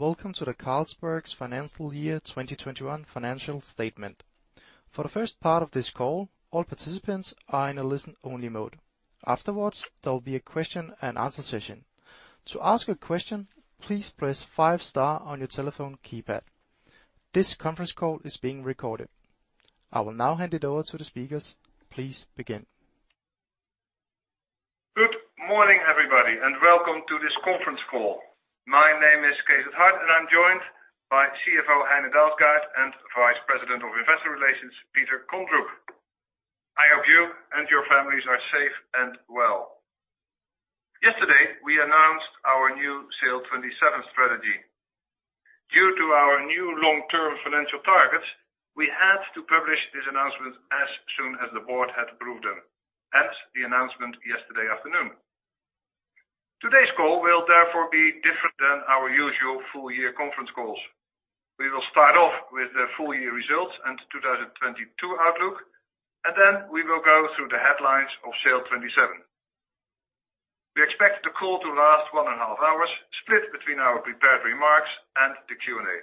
Welcome to the Carlsberg's financial year 2021 Financial Statement. For the first part of this call, all participants are in a listen-only mode. Afterward, there will be a question-and-answer session. To ask a question, please press five star on your telephone keypad. This conference call is being recorded. I will now hand it over to the speakers. Please begin. Good morning, everybody, and welcome to this conference call. My name is Cees 't Hart, and I'm joined by CFO Heine Dalsgaard and Vice President of Investor Relations, Peter Kondrup. I hope you and your families are safe and well. Yesterday, we announced our new SAIL'27 strategy. Due to our new long-term financial targets, we had to publish this announcement as soon as the Board had approved them. Hence, the announcement yesterday afternoon. Today's call will therefore be different than our usual full year conference calls. We will start off with the full year results and 2022 outlook, and then we will go through the headlines of SAIL'27. We expect the call to last one and a half hours, split between our prepared remarks and the Q&A.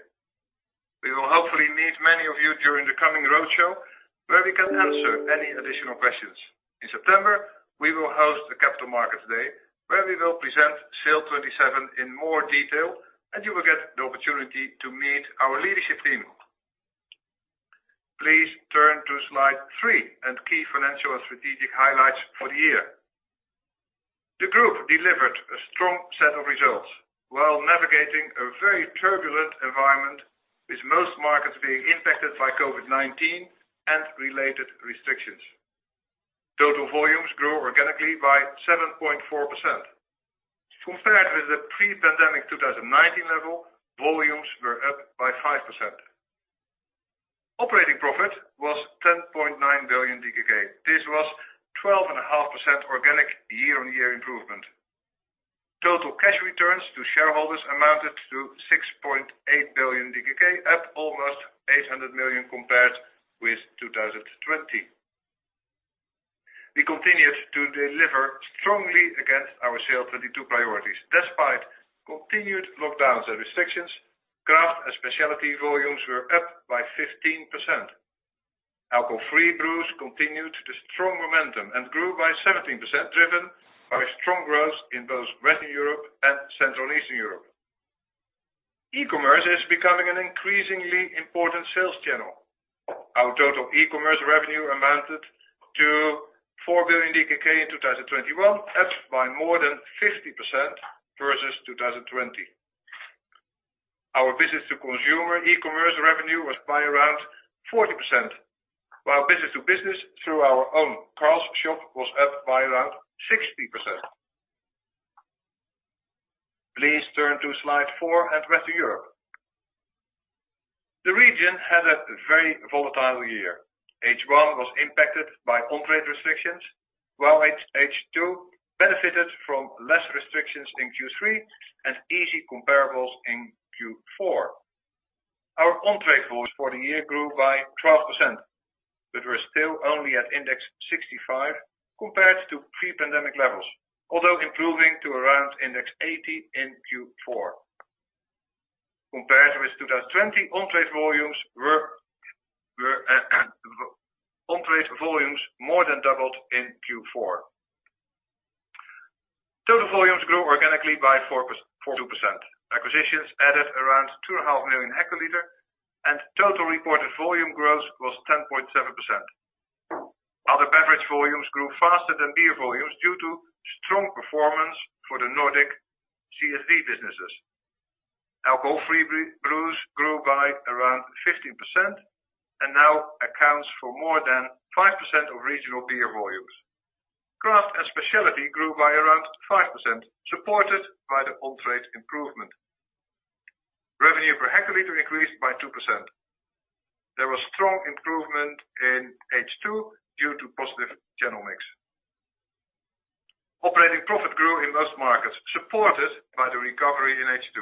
We will hopefully meet many of you during the coming roadshow where we can answer any additional questions. In September, we will host the Capital Markets Day, where we will present SAIL'27 in more detail and you will get the opportunity to meet our leadership team. Please turn to slide three and key financial and strategic highlights for the year. The group delivered a strong set of results while navigating a very turbulent environment, with most markets being impacted by COVID-19 and related restrictions. Total volumes grew organically by 7.4%. Compared with the pre-pandemic 2019 level, volumes were up by 5%. Operating profit was 10.9 billion DKK. This was 12.5% organic year-on-year improvement. Total cash returns to shareholders amounted to 6.8 billion DKK, up almost 800 million compared with 2020. We continued to deliver strongly against our SAIL'22 priorities. Despite continued lockdowns and restrictions, Craft & Specialty volumes were up by 15%. Alcohol-free brews continued the strong momentum and grew by 17%, driven by strong growth in both Western Europe and Central and Eastern Europe. E-commerce is becoming an increasingly important sales channel. Our total e-commerce revenue amounted to DKK 4 billion in 2021, up by more than 50% versus 2020. Our business to consumer e-commerce revenue was up by around 40%, while business to business through our own Carl's Shop was up by around 60%. Please turn to slide four in Western Europe. The region had a very volatile year. H1 was impacted by on-trade restrictions, while H2 benefited from less restrictions in Q3 and easy comparables in Q4. Our on-trade volumes for the year grew by 12%, but we're still only at index 65 compared to pre-pandemic levels, although improving to around index 80 in Q4. Compared with 2020, on-trade volumes more than doubled in Q4. Total volumes grew organically by 4%. Acquisitions added around 2.5 million hectoliters, and total reported volume growth was 10.7%. Other beverage volumes grew faster than beer volumes due to strong performance for the Nordic CSD businesses. Alcohol-free brews grew by around 15% and now accounts for more than 5% of regional beer volumes. Craft & Specialty grew by around 5%, supported by the on-trade improvement. Revenue per hectoliter increased by 2%. There was strong improvement in H2 due to positive channel mix. Operating profit grew in most markets, supported by the recovery in H2.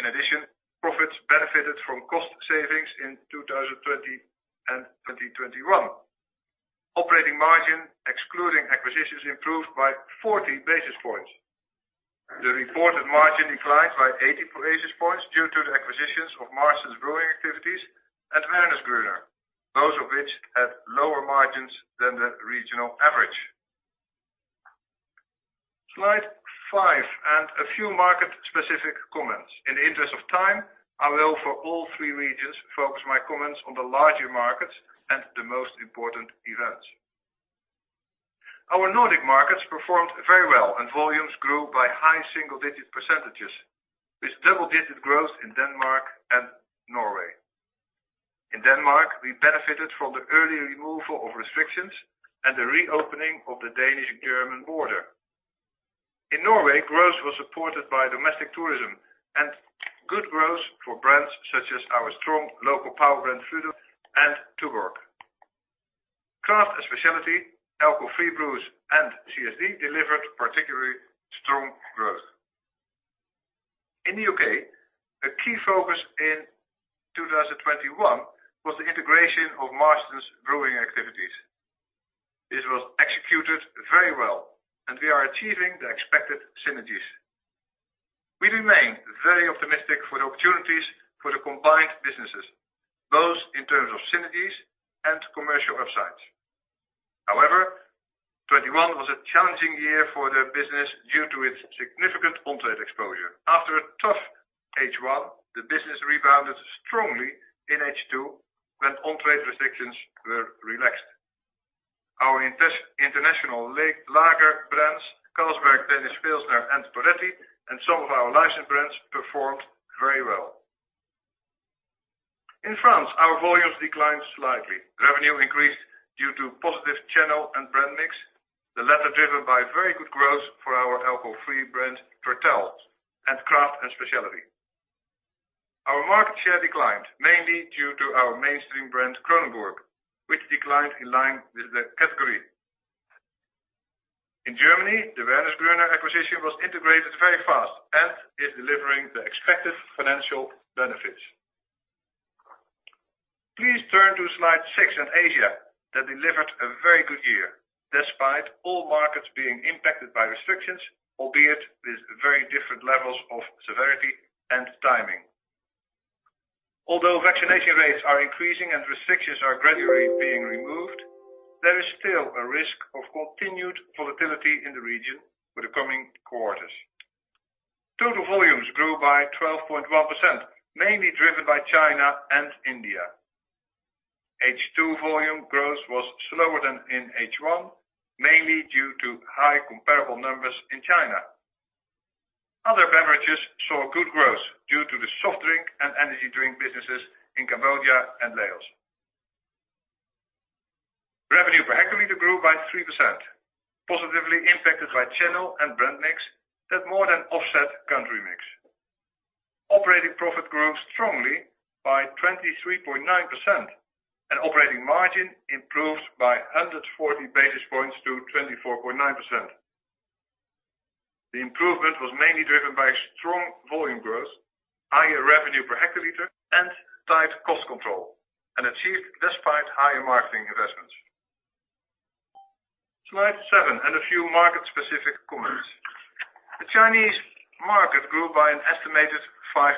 In addition, profits benefited from cost savings in 2020 and 2021. Operating margin, excluding acquisitions, improved by 40 basis points. The reported margin declined by 80 basis points due to the acquisitions of Marston's brewing activities at Wernesgrüner, both of which had lower margins than the regional average. Slide five and a few market-specific comments. In the interest of time, I will, for all three regions, focus my comments on the larger markets and the most important events. Our Nordic markets performed very well and volumes grew by high single-digit percentages, with double-digit growth in Denmark and Norway. In Denmark, we benefited from the early removal of restrictions and the reopening of the Danish-German border. In Norway, growth was supported by domestic tourism and good growth for brands such as our strong local power brand, Frydenlund, and Tuborg. Craft & Specialty, alcohol-free brews and CSD delivered particularly strong growth. In the U.K., a key focus in 2021 was the integration of Marston's Brewing activities. Very well, and we are achieving the expected synergies. We remain very optimistic for the opportunities for the combined businesses, both in terms of synergies and commercial upsides. However, 2021 was a challenging year for the business due to its significant on-trade exposure. After a tough H1, the business rebounded strongly in H2 when on-trade restrictions were relaxed. Our international lager brands, Carlsberg, Danish Pilsner, and Poretti, and some of our licensed brands performed very well. In France, our volumes declined slightly. Revenue increased due to positive channel and brand mix, the latter driven by very good growth for our alcohol-free brand, Vital and Craft & Specialty. Our market share declined, mainly due to our mainstream brand Kronenbourg, which declined in line with the category. In Germany, the Wernesgrüner acquisition was integrated very fast and is delivering the expected financial benefits. Please turn to slide six on Asia that delivered a very good year, despite all markets being impacted by restrictions, albeit with very different levels of severity and timing. Although vaccination rates are increasing and restrictions are gradually being removed, there is still a risk of continued volatility in the region for the coming quarters. Total volumes grew by 12.1%, mainly driven by China and India. H2 volume growth was slower than in H1, mainly due to high comparable numbers in China. Other beverages saw good growth due to the soft drink and energy drink businesses in Cambodia and Laos. Revenue per hectoliter grew by 3%, positively impacted by channel and brand mix that more than offset country mix. Operating profit grew strongly by 23.9%, and operating margin improved by 140 basis points to 24.9%. The improvement was mainly driven by strong volume growth, higher revenue per hectoliter, and tight cost control, and achieved despite higher marketing investments. Slide seven, and a few market-specific comments. The Chinese market grew by an estimated 5%.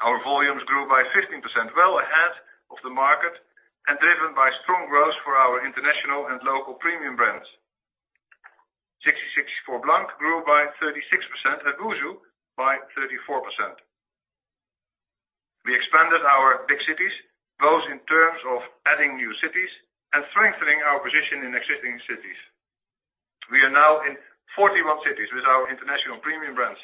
Our volumes grew by 15%, well ahead of the market, and driven by strong growth for our international and local premium brands. 1664 Blanc grew by 36% and WuSu by 34%. We expanded our big cities, both in terms of adding new cities and strengthening our position in existing cities. We are now in 41 cities with our international premium brands.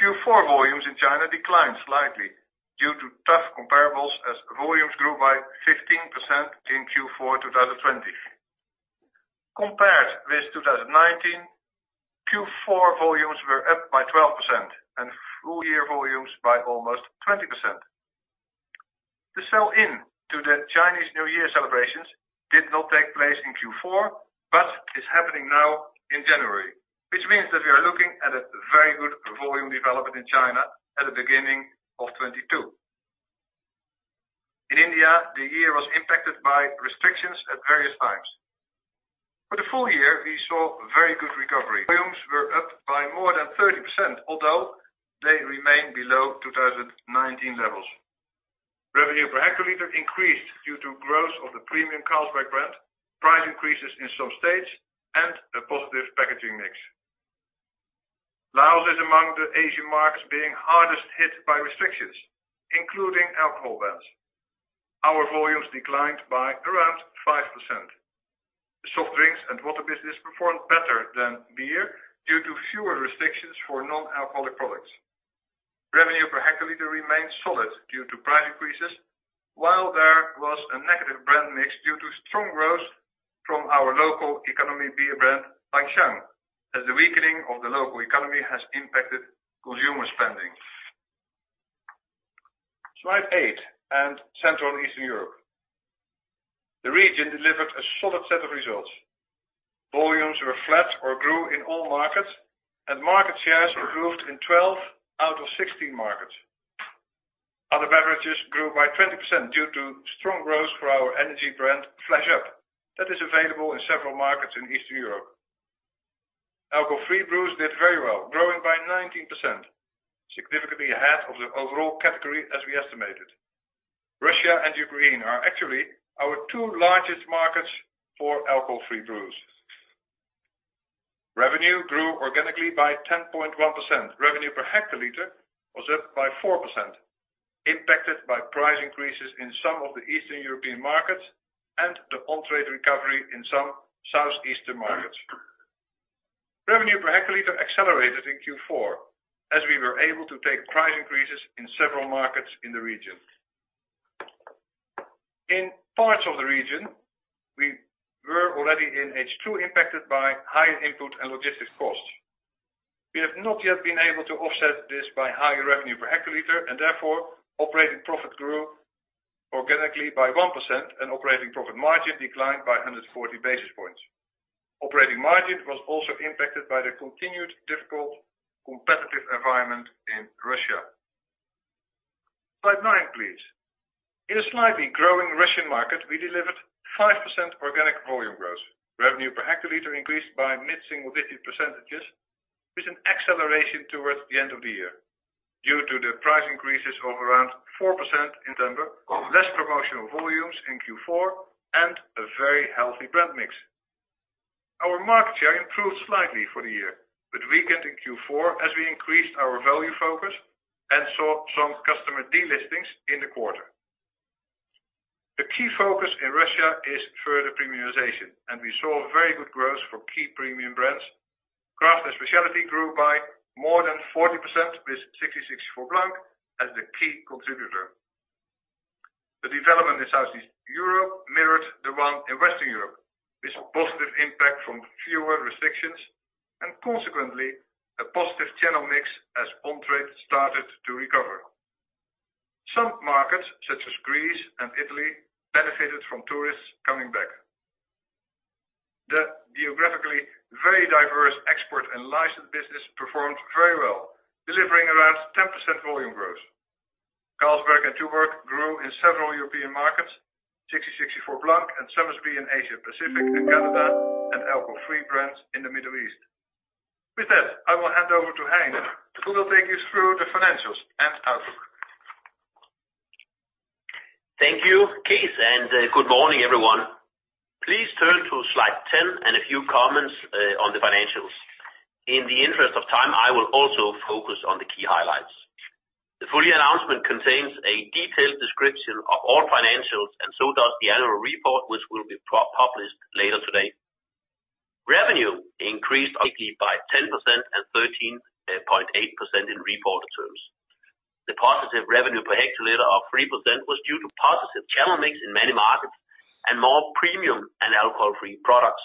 Q4 volumes in China declined slightly due to tough comparables as volumes grew by 15% in Q4 2020. Compared with 2019, Q4 volumes were up by 12% and full year volumes by almost 20%. The sell-in to the Chinese New Year celebrations did not take place in Q4 but is happening now in January, which means that we are looking at a very good volume development in China at the beginning of 2022. In India, the year was impacted by restrictions at various times. For the full year, we saw very good recovery. Volumes were up by more than 30%, although they remain below 2019 levels. Revenue per hectolitre increased due to growth of the premium Carlsberg brand, price increases in some states, and a positive packaging mix. Laos is among the Asian markets being hardest hit by restrictions, including alcohol bans. Our volumes declined by around 5%. The soft drinks and water business performed better than beer due to fewer restrictions for non-alcoholic products. Revenue per hectolitre remained solid due to price increases, while there was a negative brand mix due to strong growth from our local economy beer brand, Shancheng, as the weakening of the local economy has impacted consumer spending. Slide eight and Central and Eastern Europe. The region delivered a solid set of results. Volumes were flat or grew in all markets, and market shares improved in 12 out of 16 markets. Other beverages grew by 20% due to strong growth for our energy brand Flash Up that is available in several markets in Eastern Europe. Alcohol-free brews did very well, growing by 19%, significantly ahead of the overall category as we estimated. Russia and Ukraine are actually our two largest markets for alcohol-free brews. Revenue grew organically by 10.1%. Revenue per hectolitre was up by 4%, impacted by price increases in some of the Eastern European markets and the on-trade recovery in some southeastern markets. Revenue per hectolitre accelerated in Q4 as we were able to take price increases in several markets in the region. In parts of the region, we were already in H2 impacted by higher input and logistics costs. We have not yet been able to offset this by higher revenue per hectoliter, and therefore operating profit grew organically by 1% and operating profit margin declined by 140 basis points. Operating margin was also impacted by the continued difficult competitive environment in Russia. Slide nine, please. In a slightly growing Russian market, we delivered 5% organic volume growth. Revenue per hectoliter increased by mid-single-digit percentages, with an acceleration towards the end of the year, due to the price increases of around 4% in September, less promotional volumes in Q4, and a very healthy brand mix. Our market share improved slightly for the year, but weakened in Q4 as we increased our value focus and saw some customer delistings in the quarter. The key focus in Russia is further premiumization, and we saw very good growth for key premium brands. Craft & Specialty grew by more than 40% with 1664 Blanc as the key contributor. The development in Southeast Europe mirrored the one in Western Europe, with positive impact from fewer restrictions and consequently a positive channel mix as on-trade started to recover. Some markets, such as Greece and Italy, benefited from tourists coming back. The geographically very diverse export and licensed business performed very well, delivering around 10% volume growth. Carlsberg and Tuborg grew in several European markets, 1664 Blanc and Somersby in Asia Pacific and Canada, and alcohol-free brands in the Middle East. With that, I will hand over to Heine, who will take you through the financials and outlook. Thank you, Cees, and good morning, everyone. Please turn to slide 10 and a few comments on the financials. In the interest of time, I will also focus on the key highlights. The full year announcement contains a detailed description of all financials, and so does the annual report, which will be published later today. Revenue increased organically by 10% and 13.8% in reported terms. The positive revenue per hectoliter of 3% was due to positive channel mix in many markets and more premium and alcohol-free products.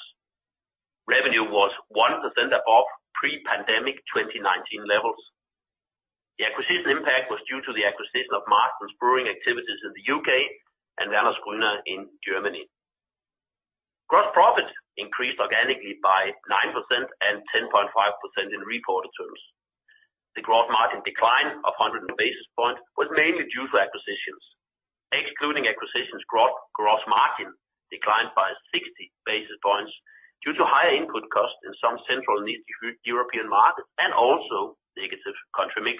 Revenue was 1% above pre-pandemic 2019 levels. The acquisition impact was due to the acquisition of Marston's Brewing activities in the U.K. and Wernesgrüner in Germany. Gross profit increased organically by 9% and 10.5% in reported terms. The gross margin decline of 100 basis points was mainly due to acquisitions. Excluding acquisitions, gross margin declined by 60 basis points due to higher input costs in some Central and East European markets and also negative country mix.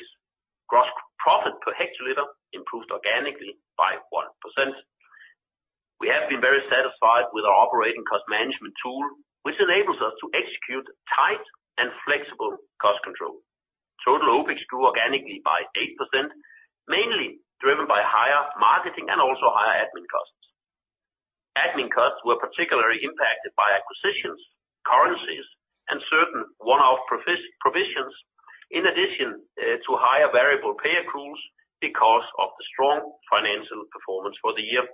Gross profit per hectoliter improved organically by 1%. We have been very satisfied with our operating cost management tool, which enables us to execute tight and flexible cost control. Total OpEx grew organically by 8%, mainly driven by higher marketing and also higher admin costs. Admin costs were particularly impacted by acquisitions, currencies, and certain one-off provisions, in addition to higher variable pay accruals because of the strong financial performance for the year.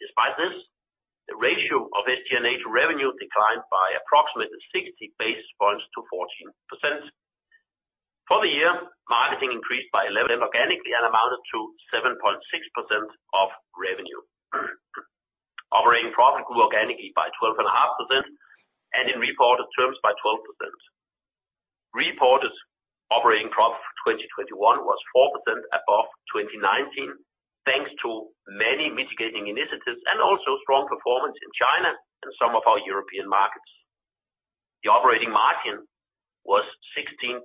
Despite this, the ratio of SG&A to revenue declined by approximately 60 basis points to 14%. For the year, marketing increased by 11% organically and amounted to 7.6% of revenue. Operating profit grew organically by 12.5%, and in reported terms by 12%. Reported operating profit for 2021 was 4% above 2019 thanks to many mitigating initiatives and also strong performance in China and some of our European markets. The operating margin was 16.3%.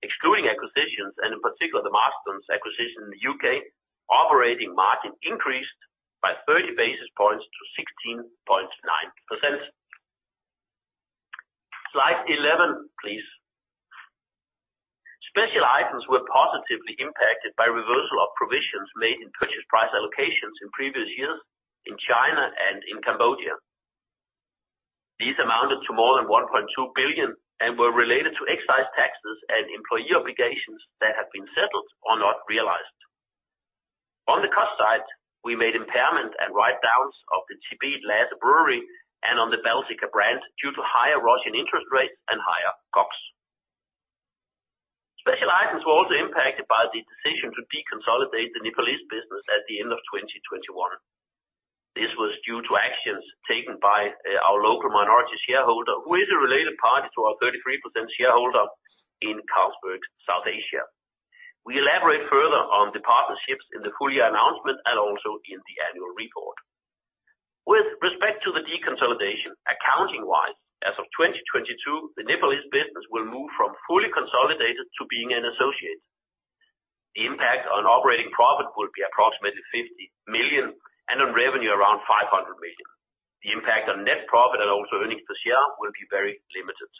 Excluding acquisitions, and in particular the Marston's acquisition in the U.K., operating margin increased by 30 basis points to 16.9%. Slide 11, please. Special items were positively impacted by reversal of provisions made in purchase price allocations in previous years in China and in Cambodia. These amounted to more than 1.2 billion and were related to excise taxes and employee obligations that had been settled or not realized. On the cost side, we made impairment and write-downs of the Lhasa Brewery and on the Baltika brand due to higher Russian interest rates and higher COGS. Special items were also impacted by the decision to deconsolidate the Nepalese business at the end of 2021. This was due to actions taken by our local minority shareholder, who is a related party to our 33% shareholder in Carlsberg South Asia. We elaborate further on the partnerships in the full year announcement and also in the annual report. With respect to the deconsolidation, accounting-wise, as of 2022, the Nepalese business will move from fully consolidated to being an associate. The impact on operating profit will be approximately 50 million and on revenue around 500 million. The impact on net profit and also earnings per share will be very limited.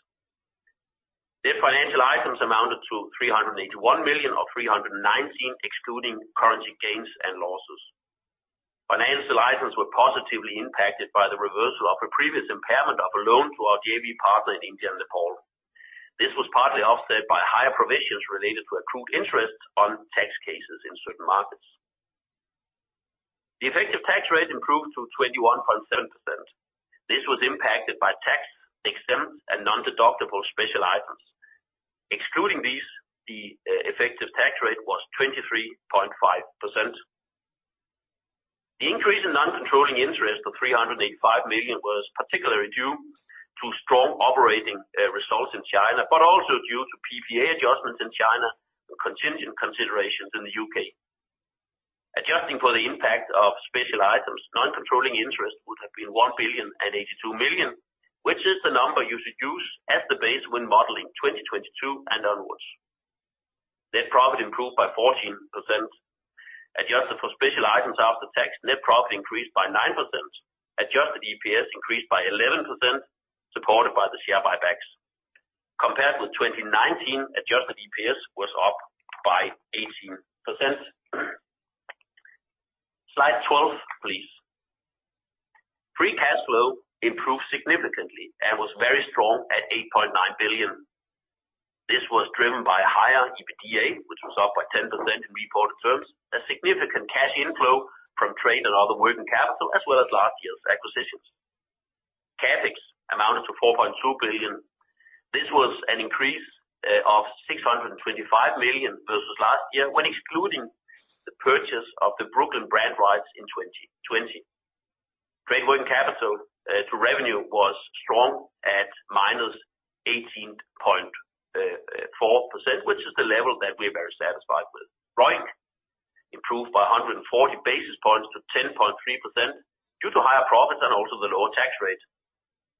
Financial items amounted to 381 million, or 319 million, excluding currency gains and losses. Financial items were positively impacted by the reversal of a previous impairment of a loan to our JV partner in India and Nepal. This was partly offset by higher provisions related to accrued interest on tax cases in certain markets. The effective tax rate improved to 21.7%. This was impacted by tax exempt and non-deductible special items. Excluding these, the effective tax rate was 23.5%. The increase in non-controlling interest of 385 million was particularly due to strong operating results in China, but also due to PPA adjustments in China and contingent considerations in the U.K. Adjusting for the impact of special items, non-controlling interest would have been 1,082 million, which is the number you should use as the base when modeling 2022 and onwards. Net profit improved by 14%. Adjusted for special items after tax, net profit increased by 9%. Adjusted EPS increased by 11%, supported by the share buybacks. Compared with 2019, adjusted EPS was up by 18%. Slide 12, please. Free cash flow improved significantly and was very strong at 8.9 billion. This was driven by a higher EBITDA, which was up by 10% in reported terms, a significant cash inflow from trade and other working capital, as well as last year's acquisitions. CapEx amounted to 4.2 billion. This was an increase of 625 million versus last year when excluding the purchase of the Brooklyn brand rights in 2020. Trade working capital to revenue was strong at -18.4%, which is the level that we're very satisfied with. ROIC improved by 140 basis points to 10.3% due to higher profits and also the lower tax rate.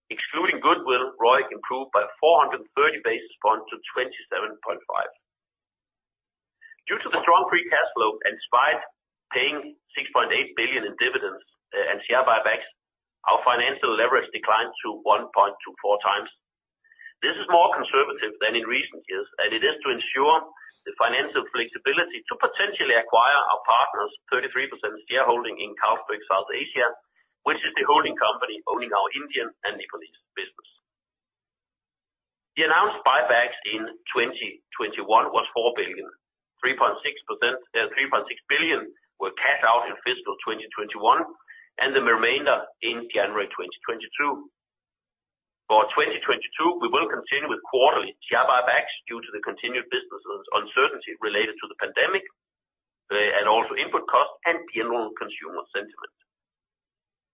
Excluding goodwill, ROIC improved by 430 basis points to 27.5%. Due to the strong free cash flow and despite paying 6.8 billion in dividends and share buybacks, our financial leverage declined to 1.24x. This is more conservative than in recent years, and it is to ensure the financial flexibility to potentially acquire our partner's 33% shareholding in Carlsberg South Asia, which is the holding company owning our Indian and Nepalese business. The announced buybacks in 2021 was 4 billion. 3.6 billion were cashed out in fiscal 2021, and the remainder in January 2022. For 2022, we will continue with quarterly share buybacks due to the continued business uncertainty related to the pandemic, and also input costs and general consumer sentiment.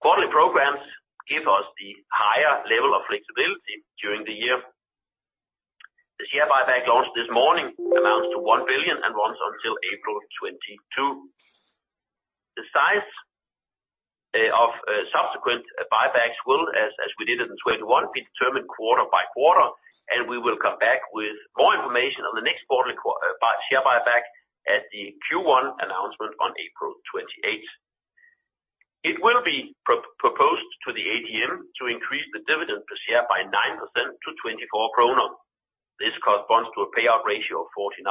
Quarterly programs give us the higher level of flexibility during the year. The share buyback launched this morning amounts to 1 billion and runs until April 2022. The size of subsequent buybacks will, as we did it in 2021, be determined quarter-by-quarter, and we will come back with more information on the next quarter share buyback at the Q1 announcement on April 28. It will be proposed to the ADM to increase the dividend per share by 9% to 24 DKK. This corresponds to a payout ratio of 49%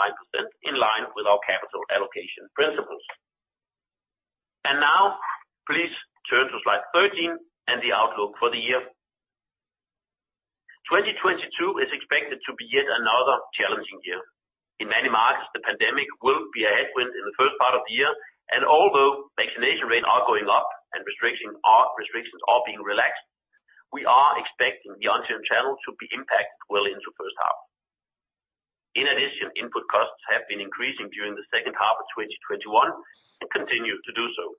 in line with our capital allocation principles. Now please turn to slide 13 and the outlook for the year. 2022 is expected to be yet another challenging year. In many markets, the pandemic will be a headwind in the first part of the year, and although vaccination rates are going up and restrictions are being relaxed, we are expecting the on-trade channel to be impacted well into first half. In addition, input costs have been increasing during the second half of 2021 and continue to do so.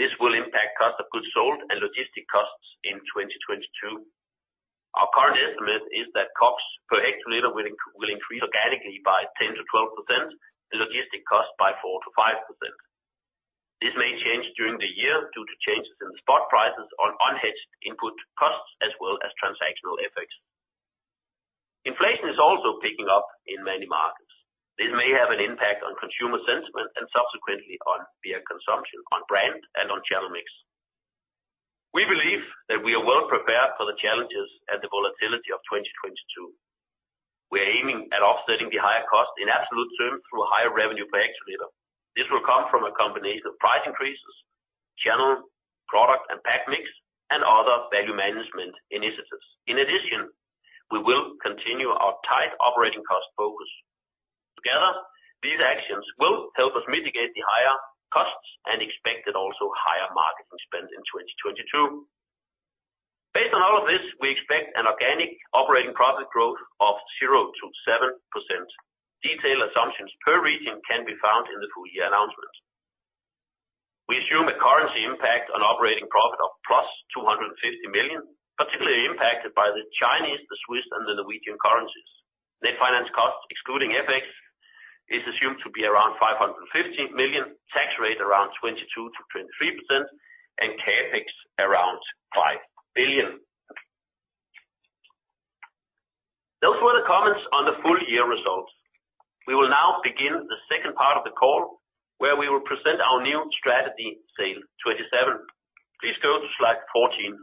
This will impact cost of goods sold and logistics costs in 2022. Our current estimate is that COGS per hectoliter will increase organically by 10%-12% and logistics costs by 4%-5%. This may change during the year due to changes in the spot prices on unhedged input costs as well as transactional FX. Inflation is also picking up in many markets. This may have an impact on consumer sentiment and subsequently on beer consumption, on brand, and on channel mix. We believe that we are well prepared for the challenges and the volatility of 2022. We are aiming at offsetting the higher cost in absolute terms through a higher revenue per hectoliter. This will come from a combination of price increases, channel, product, and pack mix, and other value management initiatives. In addition, we will continue our tight operating cost focus. Together, these actions will help us mitigate the higher costs and expected also higher marketing spend in 2022. Based on all of this, we expect an organic operating profit growth of 0%-7%. Detailed assumptions per region can be found in the full year announcement. We assume a currency impact on operating profit of +250 million, particularly impacted by the Chinese, the Swiss, and the Norwegian currencies. Net finance costs excluding FX is assumed to be around 550 million, tax rate around 22%-23%, and CapEx around 5 billion. Those were the comments on the full year results. We will now begin the second part of the call, where we will present our new strategy, SAIL'27. Please go to slide 14.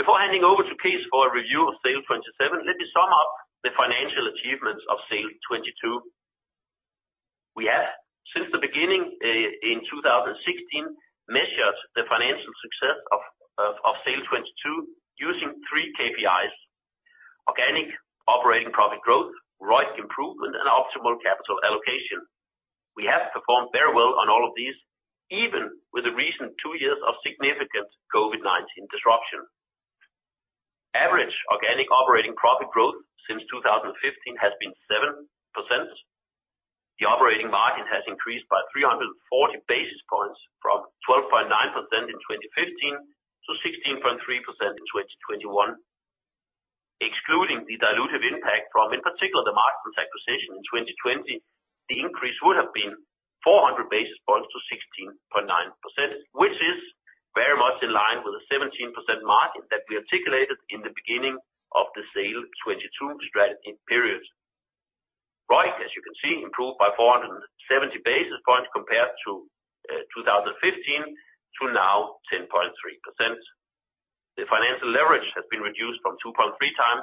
Before handing over to Cees for a review of SAIL'27, let me sum up the financial achievements of SAIL'22. We have, since the beginning, in 2016, measured the financial success of SAIL'22 using three KPIs: organic operating profit growth, ROIC improvement, and optimal capital allocation. We have performed very well on all of these, even with the recent two years of significant COVID-19 disruption. Organic operating profit growth since 2015 has been 7%. The operating margin has increased by 340 basis points from 12.9% in 2015 to 16.3% in 2021. Excluding the dilutive impact from, in particular, the Marston's acquisition in 2020, the increase would have been 400 basis points to 16.9%, which is very much in line with the 17% margin that we articulated in the beginning of the SAIL'22 strategy period. ROIC, as you can see, improved by 470 basis points compared to 2015 to now 10.3%. The financial leverage has been reduced from 2.3x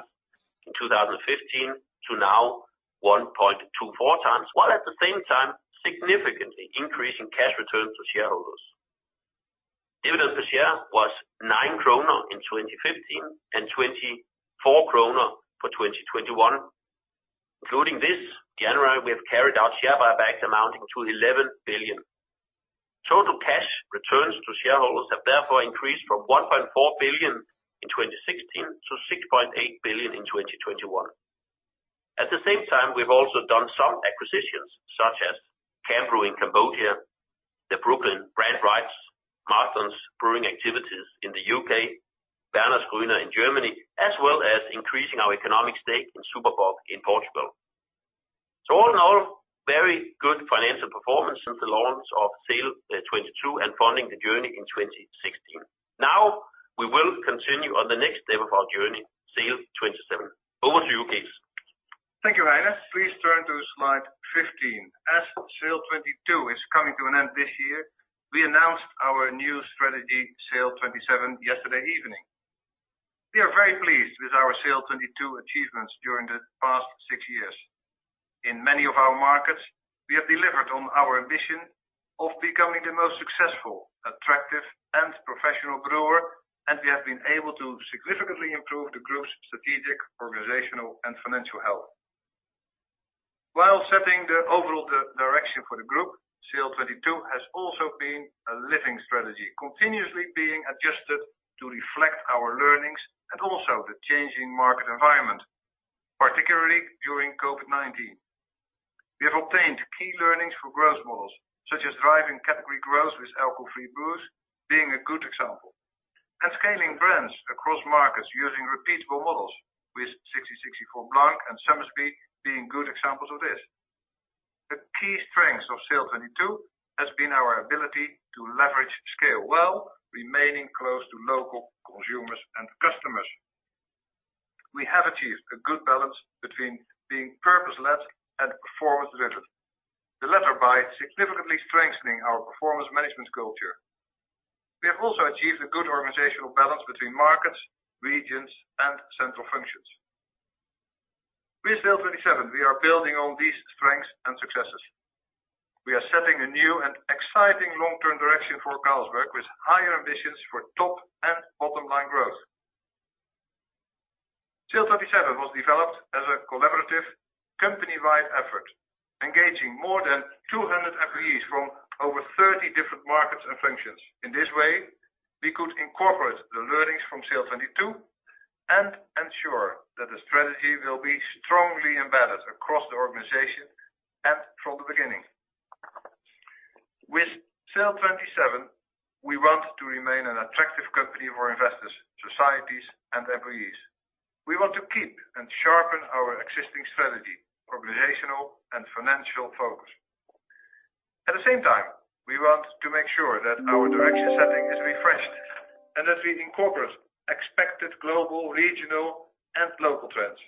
in 2015 to now 1.24x, while at the same time significantly increasing cash returns to shareholders. Dividends this year was 9 kroner in 2015 and 24 kroner for 2021. Including this January, we have carried out our share buyback amounting to 11 billion. Total cash returns to shareholders have therefore increased from 1.4 billion in 2016 to 6.8 billion in 2021. At the same time, we've also done some acquisitions such as Cambrew in Cambodia, the Brooklyn brand rights, Marston's Brewing activities in the U.K., Wernesgrüner in Germany, as well as increasing our economic stake in Super Bock in Portugal. All in all, very good financial performance since the launch of SAIL'22 and Funding the Journey in 2016. Now we will continue on the next step of our journey, SAIL'27. Over to you, Cees. Thank you, Heine. Please turn to slide 15. As SAIL'22 is coming to an end this year, we announced our new strategy, SAIL'27, yesterday evening. We are very pleased with our SAIL'22 achievements during the past six years. In many of our markets, we have delivered on our mission of becoming the most successful, attractive, and professional grower, and we have been able to significantly improve the group's strategic, organizational, and financial health. While setting the overall direction for the group, SAIL'22 has also been a living strategy, continuously being adjusted to reflect our learnings and also the changing market environment, particularly during COVID-19. We have obtained key learnings for growth models, such as driving category growth with alcohol-free brews being a good example, and scaling brands across markets using repeatable models with 1664 Blanc and Somersby being good examples of this. The key strengths of SAIL'22 have been our ability to leverage scale well, remaining close to local consumers and customers. We have achieved a good balance between being purpose-led and performance-driven, the latter by significantly strengthening our performance management culture. We have also achieved a good organizational balance between markets, regions, and central functions. With SAIL'27, we are building on these strengths and successes. We are setting a new and exciting long-term direction for Carlsberg with higher ambitions for top and bottom-line growth. SAIL'27 was developed as a collaborative company-wide effort, engaging more than 200 employees from over 30 different markets and functions. In this way, we could incorporate the learnings from SAIL'22 and ensure that the strategy will be strongly embedded across the organization and from the beginning. With SAIL'27, we want to remain an attractive company for investors, societies, and employees. We want to keep and sharpen our existing strategy, organizational, and financial focus. At the same time, we want to make sure that our direction setting is refreshed and that we incorporate expected global, regional, and local trends.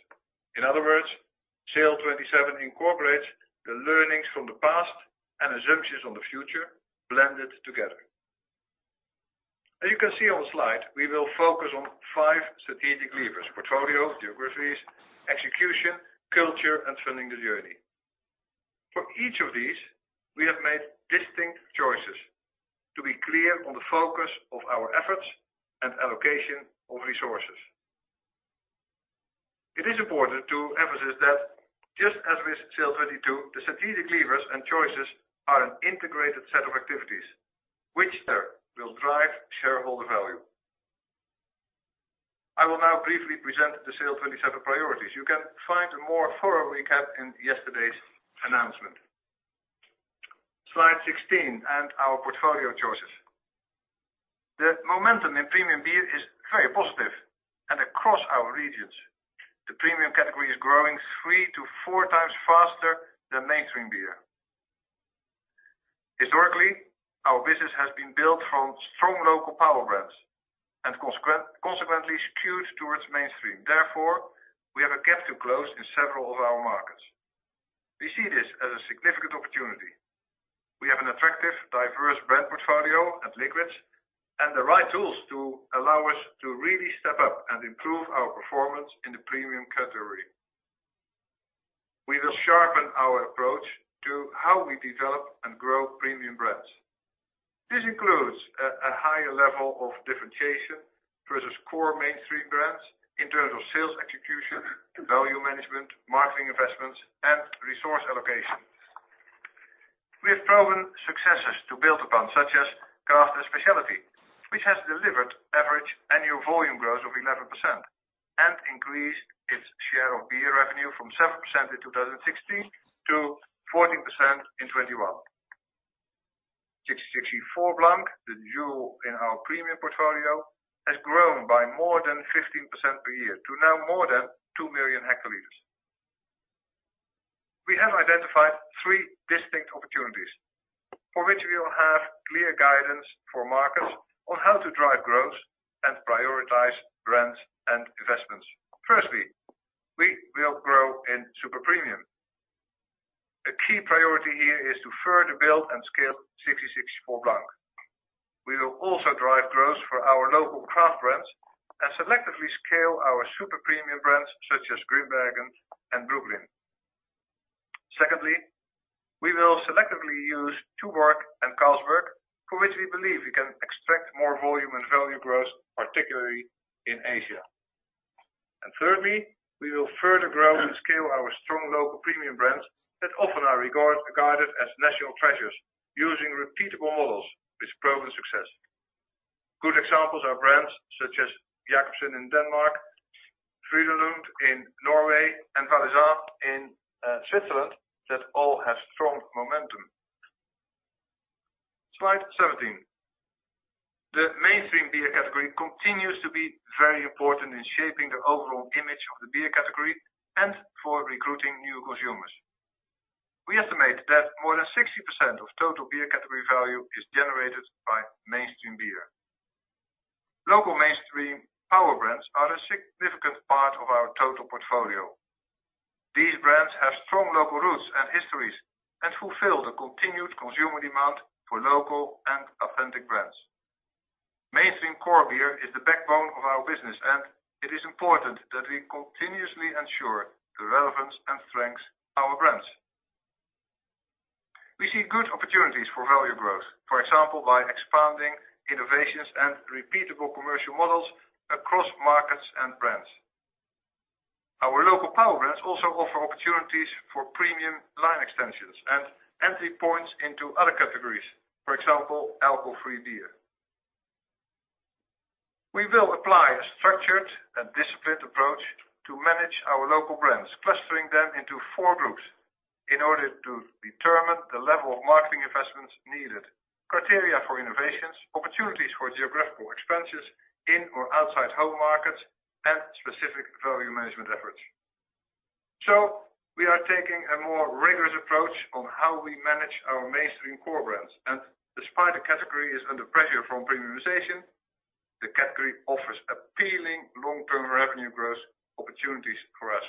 In other words, SAIL'27 incorporates the learnings from the past and assumptions on the future blended together. As you can see on the slide, we will focus on five strategic levers, portfolio, geographies, execution, culture, and Funding the Journey. For each of these, we have made distinct choices to be clear on the focus of our efforts and allocation of resources. It is important to emphasize that just as with SAIL'22, the strategic levers and choices are an integrated set of activities which therefore will drive shareholder value. I will now briefly present the SAIL'27 priorities. You can find a more thorough recap in yesterday's announcement. Slide 16 and our portfolio choices. The momentum in premium beer is very positive and across our regions. The premium category is growing 3x-4x faster than mainstream beer. Historically, our business has been built from strong local power brands and consequently skewed towards mainstream. Therefore, we have a gap to close in several of our markets. We see this as a significant opportunity. We have an attractive, diverse brand portfolio at liquids and the right tools to allow us to really step up and improve our performance in the premium category. We will sharpen our approach to how we develop and grow premium brands. This includes a higher level of differentiation versus core mainstream brands in terms of sales execution, value management, marketing investments, and resource allocation. We've proven successes to build upon, such as Craft & Specialty, which has delivered average annual volume growth of 11% and increased its share of beer revenue from 7% in 2016 to 14% in 2021. 1664 Blanc, the jewel in our premium portfolio, has grown by more than 15% per year to now more than 2 million hectolitres. We have identified three distinct opportunities for which we will have clear guidance for markets on how to drive growth and prioritize brands and investments. Firstly, we will grow in super premium. A key priority here is to further build and scale 1664 Blanc. We will also drive growth for our local craft brands and selectively scale our super premium brands such as Grimbergen and Brooklyn. Secondly, we will selectively use Tuborg and Carlsberg, for which we believe we can expect more volume and value growth, particularly in Asia. Thirdly, we will further grow and scale our strong local premium brands that often are regarded as national treasures, using repeatable models with proven success. Good examples are brands such as Jacobsen in Denmark, Frydenlund in Norway and Valaisanne in Switzerland, that all have strong momentum. Slide 17. The mainstream beer category continues to be very important in shaping the overall image of the beer category and for recruiting new consumers. We estimate that more than 60% of total beer category value is generated by mainstream beer. Local mainstream power brands are a significant part of our total portfolio. These brands have strong local roots and histories and fulfill the continued consumer demand for local and authentic brands. Mainstream core beer is the backbone of our business, and it is important that we continuously ensure the relevance and strength of our brands. We see good opportunities for value growth, for example, by expanding innovations and repeatable commercial models across markets and brands. Our local power brands also offer opportunities for premium line extensions and entry points into other categories, for example, alcohol-free beer. We will apply a structured and disciplined approach to manage our local brands, clustering them into four groups in order to determine the level of marketing investments needed, criteria for innovations, opportunities for geographical expansions in or outside home markets and specific value management efforts. We are taking a more rigorous approach on how we manage our mainstream core brands, and despite the category is under pressure from premiumization, the category offers appealing long-term revenue growth opportunities for us.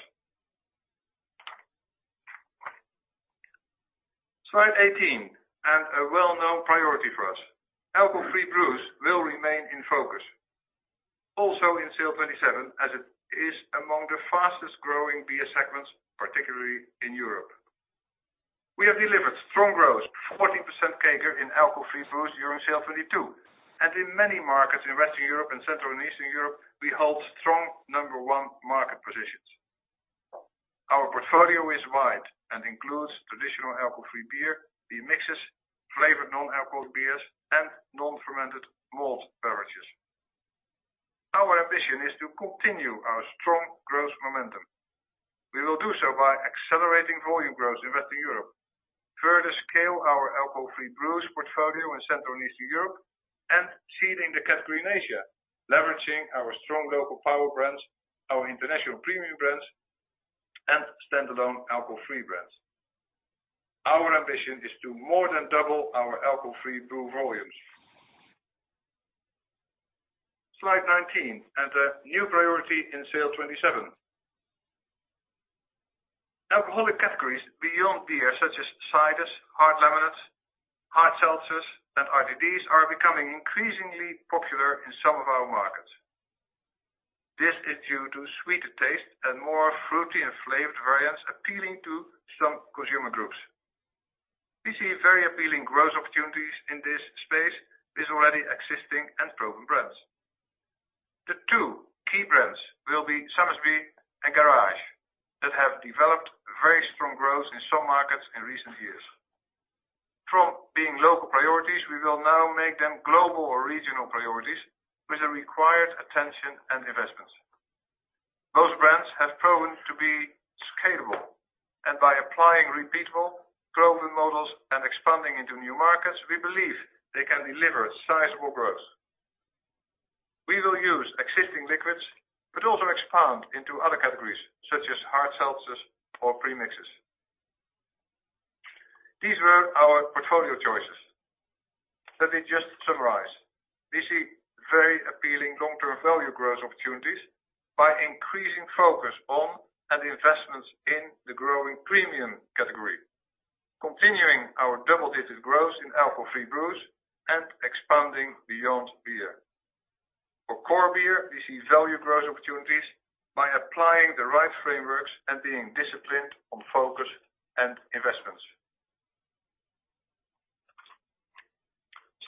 Slide 18, a well-known priority for us. Alcohol-free brews will remain in focus, also in SAIL'27, as it is among the fastest growing beer segments, particularly in Europe. We have delivered strong growth, 14% CAGR in alcohol-free brews during SAIL'22, and in many markets in Western Europe and Central and Eastern Europe, we hold strong number one market positions. Our portfolio is wide and includes traditional alcohol-free beer mixes, flavored non-alcoholic beers and non-fermented malt beverages. Our ambition is to continue our strong growth momentum. We will do so by accelerating volume growth in Western Europe, further scale our alcohol-free brews portfolio in Central and Eastern Europe, and seeding the category in Asia, leveraging our strong local power brands, our international premium brands and standalone alcohol-free brands. Our ambition is to more than double our alcohol-free brew volumes. Slide 19, a new priority in SAIL'27. Alcoholic categories beyond beer such as ciders, hard lemonades, hard seltzers and RTDs are becoming increasingly popular in some of our markets. This is due to sweeter taste and more fruity and flavored variants appealing to some consumer groups. We see very appealing growth opportunities in this space with already existing and proven brands. The two key brands will be Somersby and Garage that have developed very strong growth in some markets in recent years. From being local priorities, we will now make them global or regional priorities with the required attention and investments. Both brands have proven to be scalable, and by applying repeatable proven models and expanding into new markets, we believe they can deliver sizable growth. We will use existing liquids but also expand into other categories such as hard seltzers or premixes. These were our portfolio choices. Let me just summarize. We see very appealing long-term value growth opportunities by increasing focus on and investments in the growing premium category, continuing our double-digit growth in alcohol-free brews and expanding beyond beer. For core beer, we see value growth opportunities by applying the right frameworks and being disciplined on focus and investments.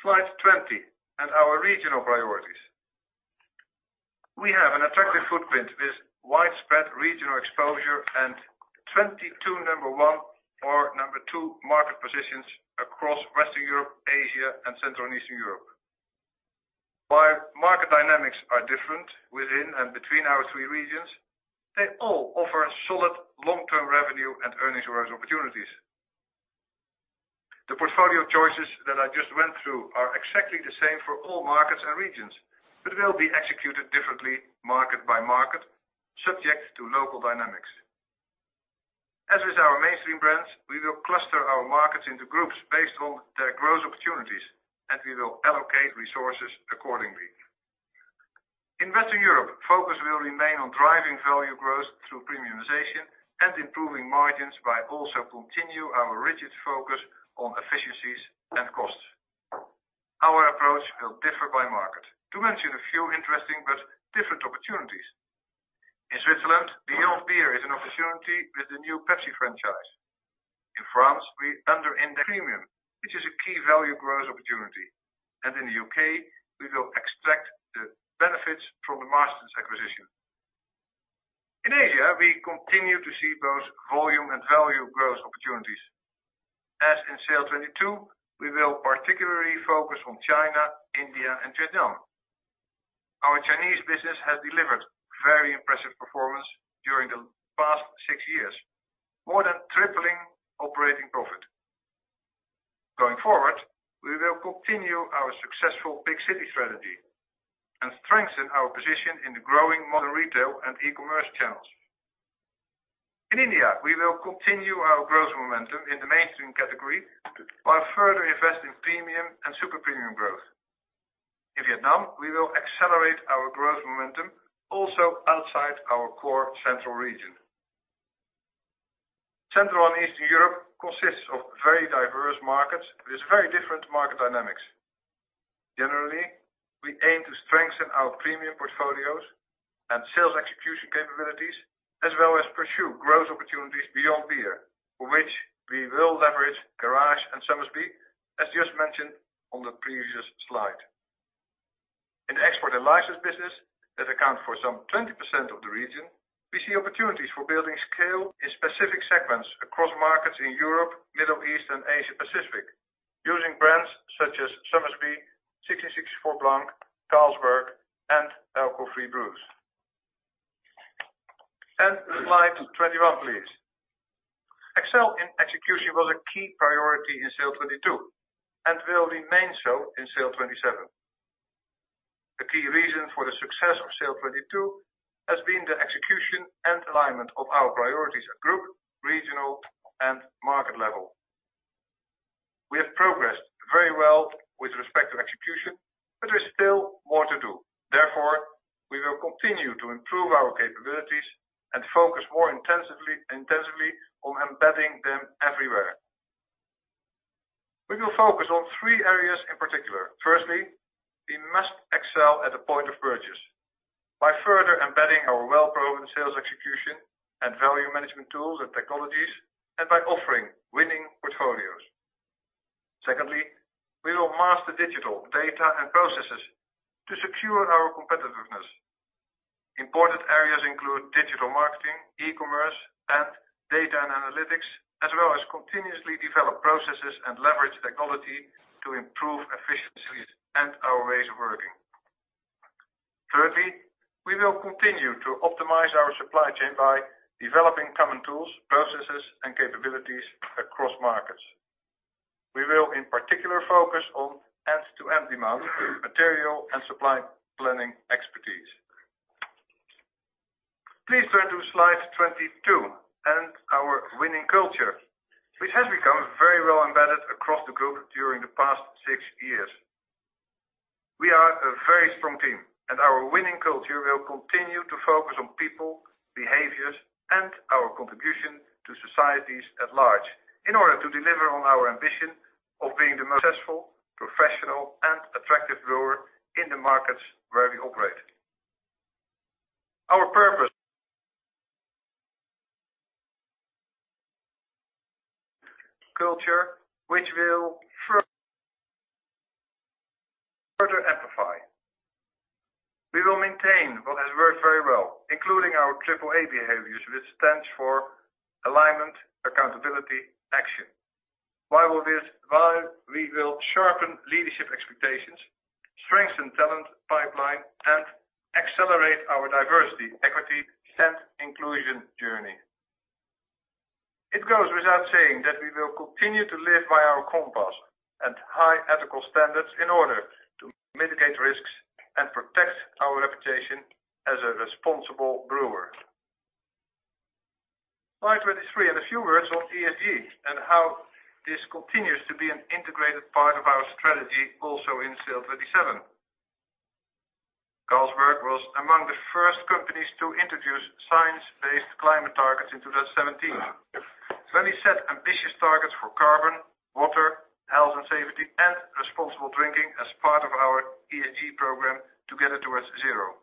Slide 20, and our regional priorities. We have an attractive footprint with widespread regional exposure and 22 number one or number two market positions across Western Europe, Asia, and Central and Eastern Europe. While market dynamics are different within and between our three regions, they all offer solid long-term revenue and earnings growth opportunities. The portfolio choices that I just went through are exactly the same for all markets and regions, but will be executed differently market-by-market, subject to local dynamics. As with our mainstream brands, we will cluster our markets into groups based on their growth opportunities, and we will allocate resources accordingly. In Western Europe, focus will remain on driving value growth through premiumization and improving margins by also continue our rigid focus on efficiencies and costs. Our approach will differ by market. To mention a few interesting but different opportunities. In Switzerland, beyond beer is an opportunity with the new Pepsi franchise. In France, we enter in the premium, which is a key value growth opportunity. In the U.K., we will extract the benefits from the Marston's acquisition. In Asia, we continue to see both volume and value growth opportunities. As in SAIL'22, we will particularly focus on China, India and Vietnam. Our Chinese business has delivered very impressive performance during the past six years, more than tripling operating profit. Going forward, we will continue our successful big city strategy and strengthen our position in the growing modern retail and e-commerce channels. In India, we will continue our growth momentum in the mainstream category by further investing premium and super premium growth. In Vietnam, we will accelerate our growth momentum also outside our core central region. Central and Eastern Europe consists of very diverse markets with very different market dynamics. Generally, we aim to strengthen our premium portfolios and sales execution capabilities, as well as pursue growth opportunities beyond beer, for which we will leverage Garage and Somersby, as just mentioned on the previous slide. In export and license business that account for some 20% of the region, we see opportunities for building scale in specific segments across markets in Europe, Middle East, and Asia Pacific, using brands such as Somersby, 1664 Blanc, Carlsberg, and alcohol-free brews. Slide 21, please. Excel in execution was a key priority in SAIL'22 and will remain so in SAIL'27. The key reason for the success of SAIL'22 has been the execution and alignment of our priorities at group, regional, and market level. We have progressed very well with respect to execution, but there's still more to do. Therefore, we will continue to improve our capabilities and focus more intensively on embedding them everywhere. We will focus on three areas in particular. Firstly, we must excel at the point of purchase by further embedding our well-proven sales execution and value management tools and technologies, and by offering winning portfolios. Secondly, we will master digital data and processes to secure our competitiveness. Important areas include digital marketing, e-commerce, and data and analytics, as well as continuously develop processes and leverage technology to improve efficiencies and our ways of working. Thirdly, we will continue to optimize our supply chain by developing common tools, processes, and capabilities across markets. We will in particular focus on end-to-end demand material and supply planning expertise. Please turn to slide 22 and our winning culture, which has become very well embedded across the group during the past six years. We are a very strong team, and our winning culture will continue to focus on people, behaviors, and our contribution to societies at large in order to deliver on our ambition of being the most successful, professional, and attractive brewer in the markets where we operate. Our purpose culture, which will further amplify. We will maintain what has worked very well, including our Triple A behaviors, which stands for Alignment, Accountability, Action. While we will sharpen leadership expectations, strengthen talent pipeline, and accelerate our diversity, equity, and inclusion journey. It goes without saying that we will continue to live by our compass and high ethical standards in order to mitigate risks and protect our reputation as a responsible brewer. Slide 23. A few words on ESG and how this continues to be an integrated part of our strategy also in SAIL'27. Carlsberg was among the first companies to introduce science-based climate targets in 2017 when we set ambitious targets for carbon, water, health and safety, and responsible drinking as part of our ESG program Together Towards ZERO.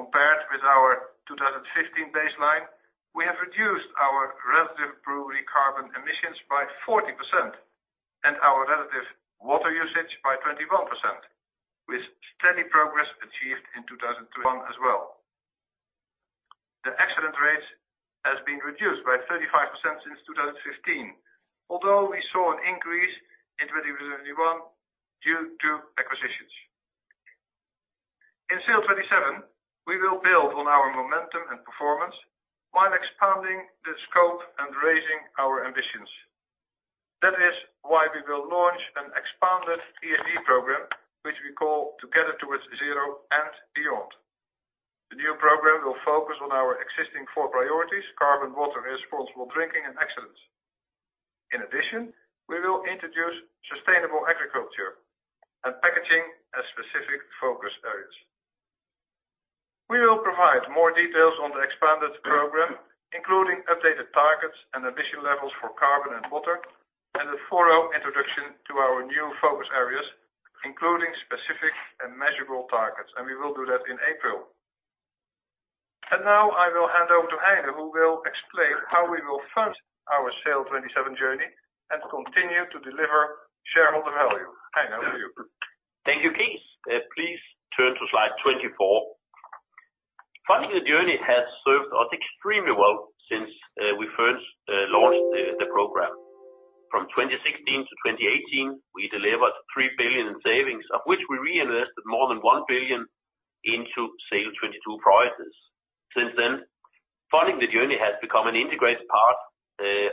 With our 2015 baseline, we have reduced our relative brewery carbon emissions by 40% and our relative water usage by 21%, with steady progress achieved in 2021 as well. The accident rate has been reduced by 35% since 2015, although we saw an increase in 2021 due to acquisitions. In SAIL'27, we will build on our momentum and performance while expanding the scope and raising our ambitions. That is why we will launch an expanded ESG program, which we call Together Towards ZERO and Beyond. The new program will focus on our existing four priorities carbon, water, responsible drinking and excellence. In addition, we will introduce sustainable agriculture and packaging as specific focus areas. We will provide more details on the expanded program, including updated targets and ambition levels for carbon and water, and a thorough introduction to our new focus areas, including specific and measurable targets. We will do that in April. Now I will hand over to Heine, who will explain how we will fund our SAIL'27 journey and continue to deliver shareholder value. Heine, over to you. Thank you, Cees. Please turn to slide 24. Funding the Journey has served us extremely well since we first launched the program. From 2016-2018, we delivered 3 billion in savings, of which we reinvested more than 1 billion into SAIL'22 priorities. Since then, Funding the Journey has become an integrated part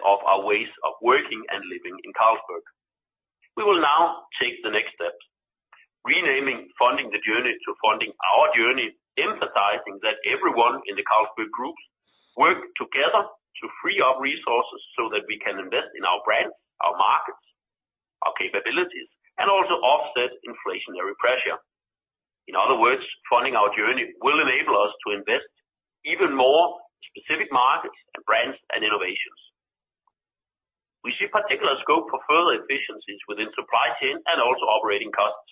of our ways of working and living in Carlsberg. We will now take the next steps, renaming Funding the Journey to Funding our Journey, emphasizing that everyone in the Carlsberg Group work together to free up resources so that we can invest in our brands, our markets, our capabilities, and also offset inflationary pressure. In other words, Funding our Journey will enable us to invest even more in specific markets and brands and innovations. We see particular scope for further efficiencies within supply chain and also operating costs.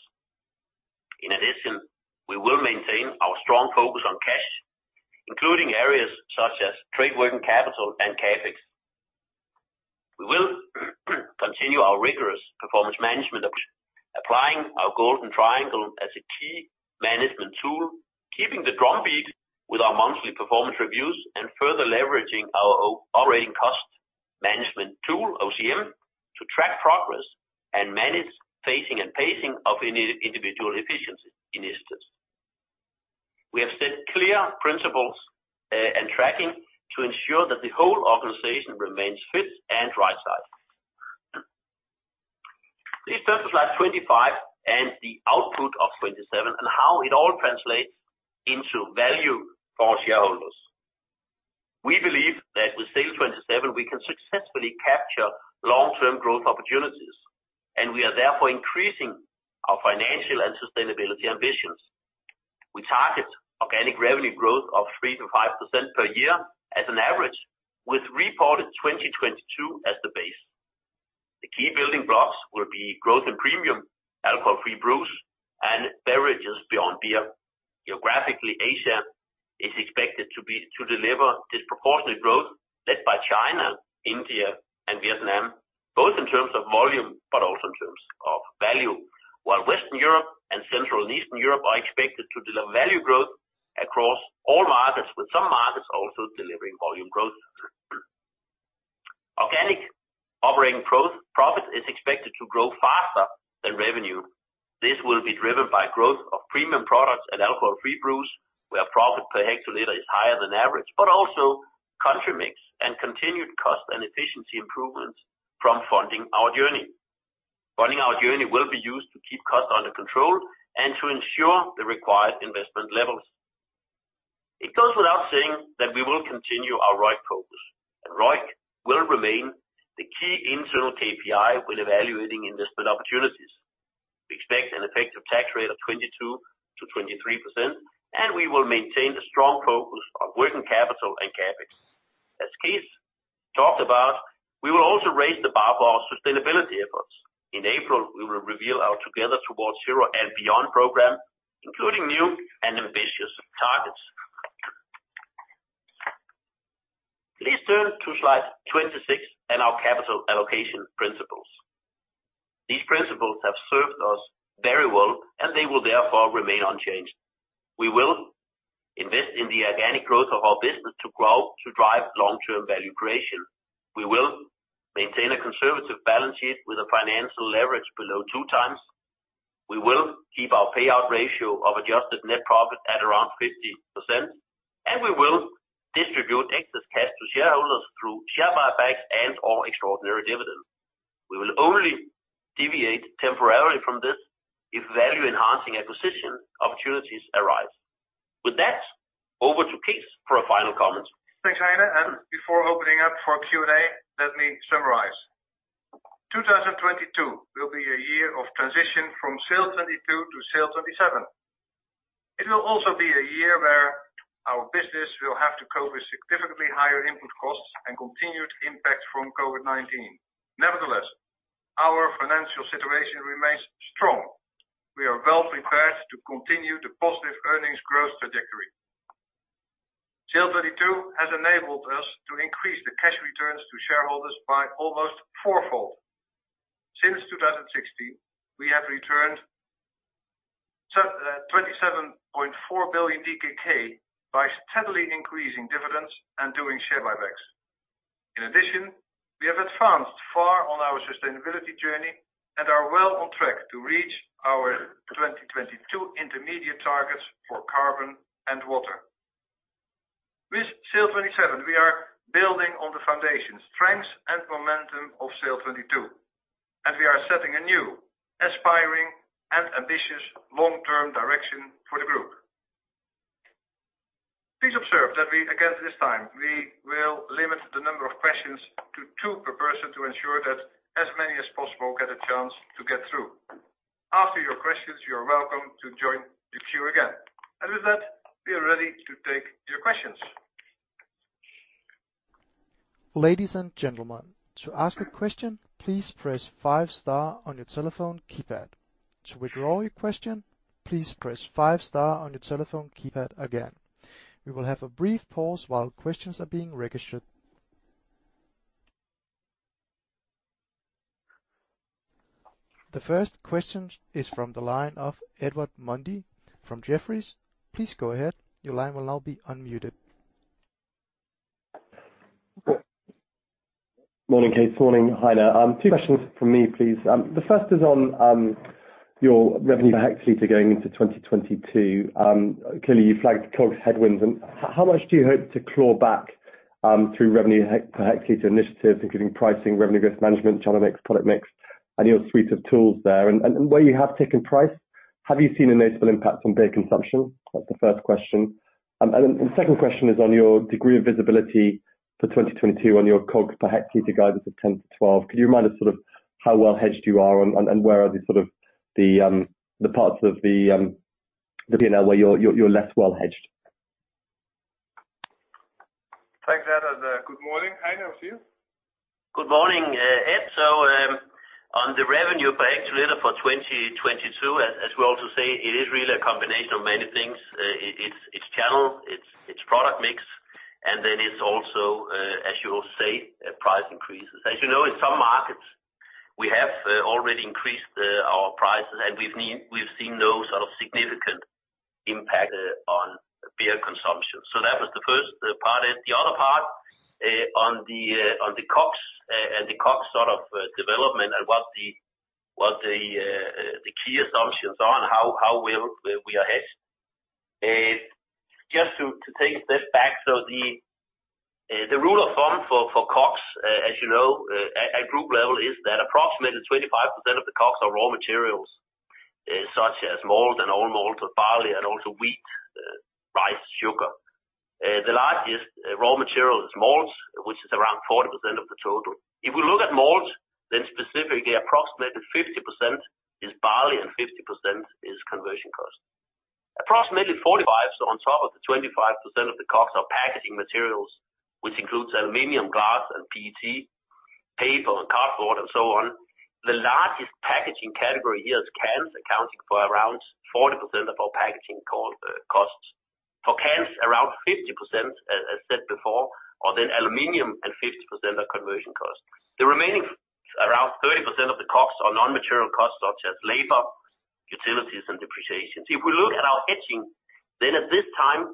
In addition, we will maintain our strong focus on cash, including areas such as trade working capital and CapEx. We will continue our rigorous performance management approach, applying our Golden Triangle as a key management tool, keeping the drum beat with our monthly performance reviews, and further leveraging our operating cost management tool, OCM, to track progress and manage phasing and pacing of individual efficiency initiatives. We have set clear principles and tracking to ensure that the whole organization remains fit and right-sized. Please turn to slide 25 and the output of 27, and how it all translates into value for our shareholders. We believe that with SAIL'27, we can successfully capture long-term growth opportunities, and we are therefore increasing our financial and sustainability ambitions. We target organic revenue growth of 3%-5% per year as an average, with reported 2022 as the base. The key building blocks will be growth in premium alcohol-free brews and beverages beyond beer. Geographically, Asia is expected to deliver disproportionate growth led by China, India and Vietnam, both in terms of volume but also in terms of value. While Western Europe and Central and Eastern Europe are expected to deliver value growth across all markets, with some markets also delivering volume growth. Organic operating profit is expected to grow faster than revenue. This will be driven by growth of premium products and alcohol-free brews, where profit per hectoliter is higher than average, but also country mix and continued cost and efficiency improvements from Funding our Journey. Funding our Journey will be used to keep costs under control and to ensure the required investment levels. It goes without saying that we will continue our ROIC focus, and ROIC will remain the key internal KPI when evaluating investment opportunities. We expect an effective tax rate of 22%-23%, and we will maintain the strong focus on working capital and CapEx. As Cees talked about, we will also raise the bar for our sustainability efforts. In April, we will reveal our Together Towards ZERO and Beyond program, including new and ambitious targets. Please turn to slide 26 and our capital allocation principles. These principles have served us very well, and they will therefore remain unchanged. We will invest in the organic growth of our business to drive long-term value creation. We will maintain a conservative balance sheet with a financial leverage below 2x. We will keep our payout ratio of adjusted net profit at around 50%, and we will distribute excess cash to shareholders through share buybacks and/or extraordinary dividends. We will only deviate temporarily from this if value-enhancing acquisition opportunities arise. With that, over to Cees for a final comment. Thanks, Heine, and before opening up for Q&A, let me summarize. 2022 will be a year of transition from SAIL'22 to SAIL'27. It will also be a year where our business will have to cope with significantly higher input costs and continued impact from COVID-19. Nevertheless, financial situation remains strong. We are well prepared to continue the positive earnings growth trajectory. SAIL'22 has enabled us to increase the cash returns to shareholders by almost four-fold. Since 2016, we have returned 27.4 billion DKK by steadily increasing dividends and doing share buybacks. In addition, we have advanced far on our sustainability journey and are well on track to reach our 2022 intermediate targets for carbon and water. With SAIL'27, we are building on the foundation, strengths and momentum of SAIL'22, and we are setting a new aspiring and ambitious long-term direction for the group. Please observe that we, again, this time, we will limit the number of questions to two per person to ensure that as many as possible get a chance to get through. After your questions, you are welcome to join the queue again. With that, we are ready to take your questions. Ladies and gentlemen, to ask a question, please press five star on your telephone keypad. To withdraw your question, please press five star on your telephone keypad again. We will have a brief pause while questions are being registered. The first question is from the line of Edward Mundy from Jefferies. Please go ahead. Your line will now be unmuted. Morning, Cees. Morning, Heine. Two questions from me, please. The first is on your revenue per hectoliter going into 2022. Clearly, you flagged COGS headwinds. How much do you hope to claw back through revenue per hectoliter initiatives, including pricing, revenue growth management, channel mix, product mix, and your suite of tools there? Where you have taken price, have you seen a notable impact on beer consumption? That's the first question. The second question is on your degree of visibility for 2022 on your COGS per hectoliter guidance of 10%-12%. Could you remind us sort of how well hedged you are and where are the sort of the parts of the P&L where you're less well hedged? Thanks, Ed, and good morning, Heine, with you. Good morning, Ed. On the revenue per hectoliter for 2022, as we also say, it is really a combination of many things. It's channel, it's product mix, and then it's also, as you say, price increases. As you know, in some markets, we have already increased our prices, and we've seen no sort of significant impact on beer consumption. That was the first part. The other part, on the COGS and the COGS sort of development and what the key assumptions on how well we are hedged. Just to take a step back, the rule of thumb for COGS, as you know, at group level is that approximately 25% of the COGS are raw materials, such as malt and all malt or barley and also wheat, rice, sugar. The largest raw material is malt, which is around 40% of the total. If we look at malt, then specifically approximately 50% is barley and 50% is conversion cost. Approximately 45%, on top of the 25% of the COGS are packaging materials, which includes aluminum, glass and PET, paper and cardboard and so on. The largest packaging category here is cans, accounting for around 40% of our packaging costs. For cans, around 50%, as I said before, are then aluminum and 50% are conversion costs. The remaining around 30% of the costs are non-material costs such as labor, utilities, and depreciation. If we look at our hedging, then at this time,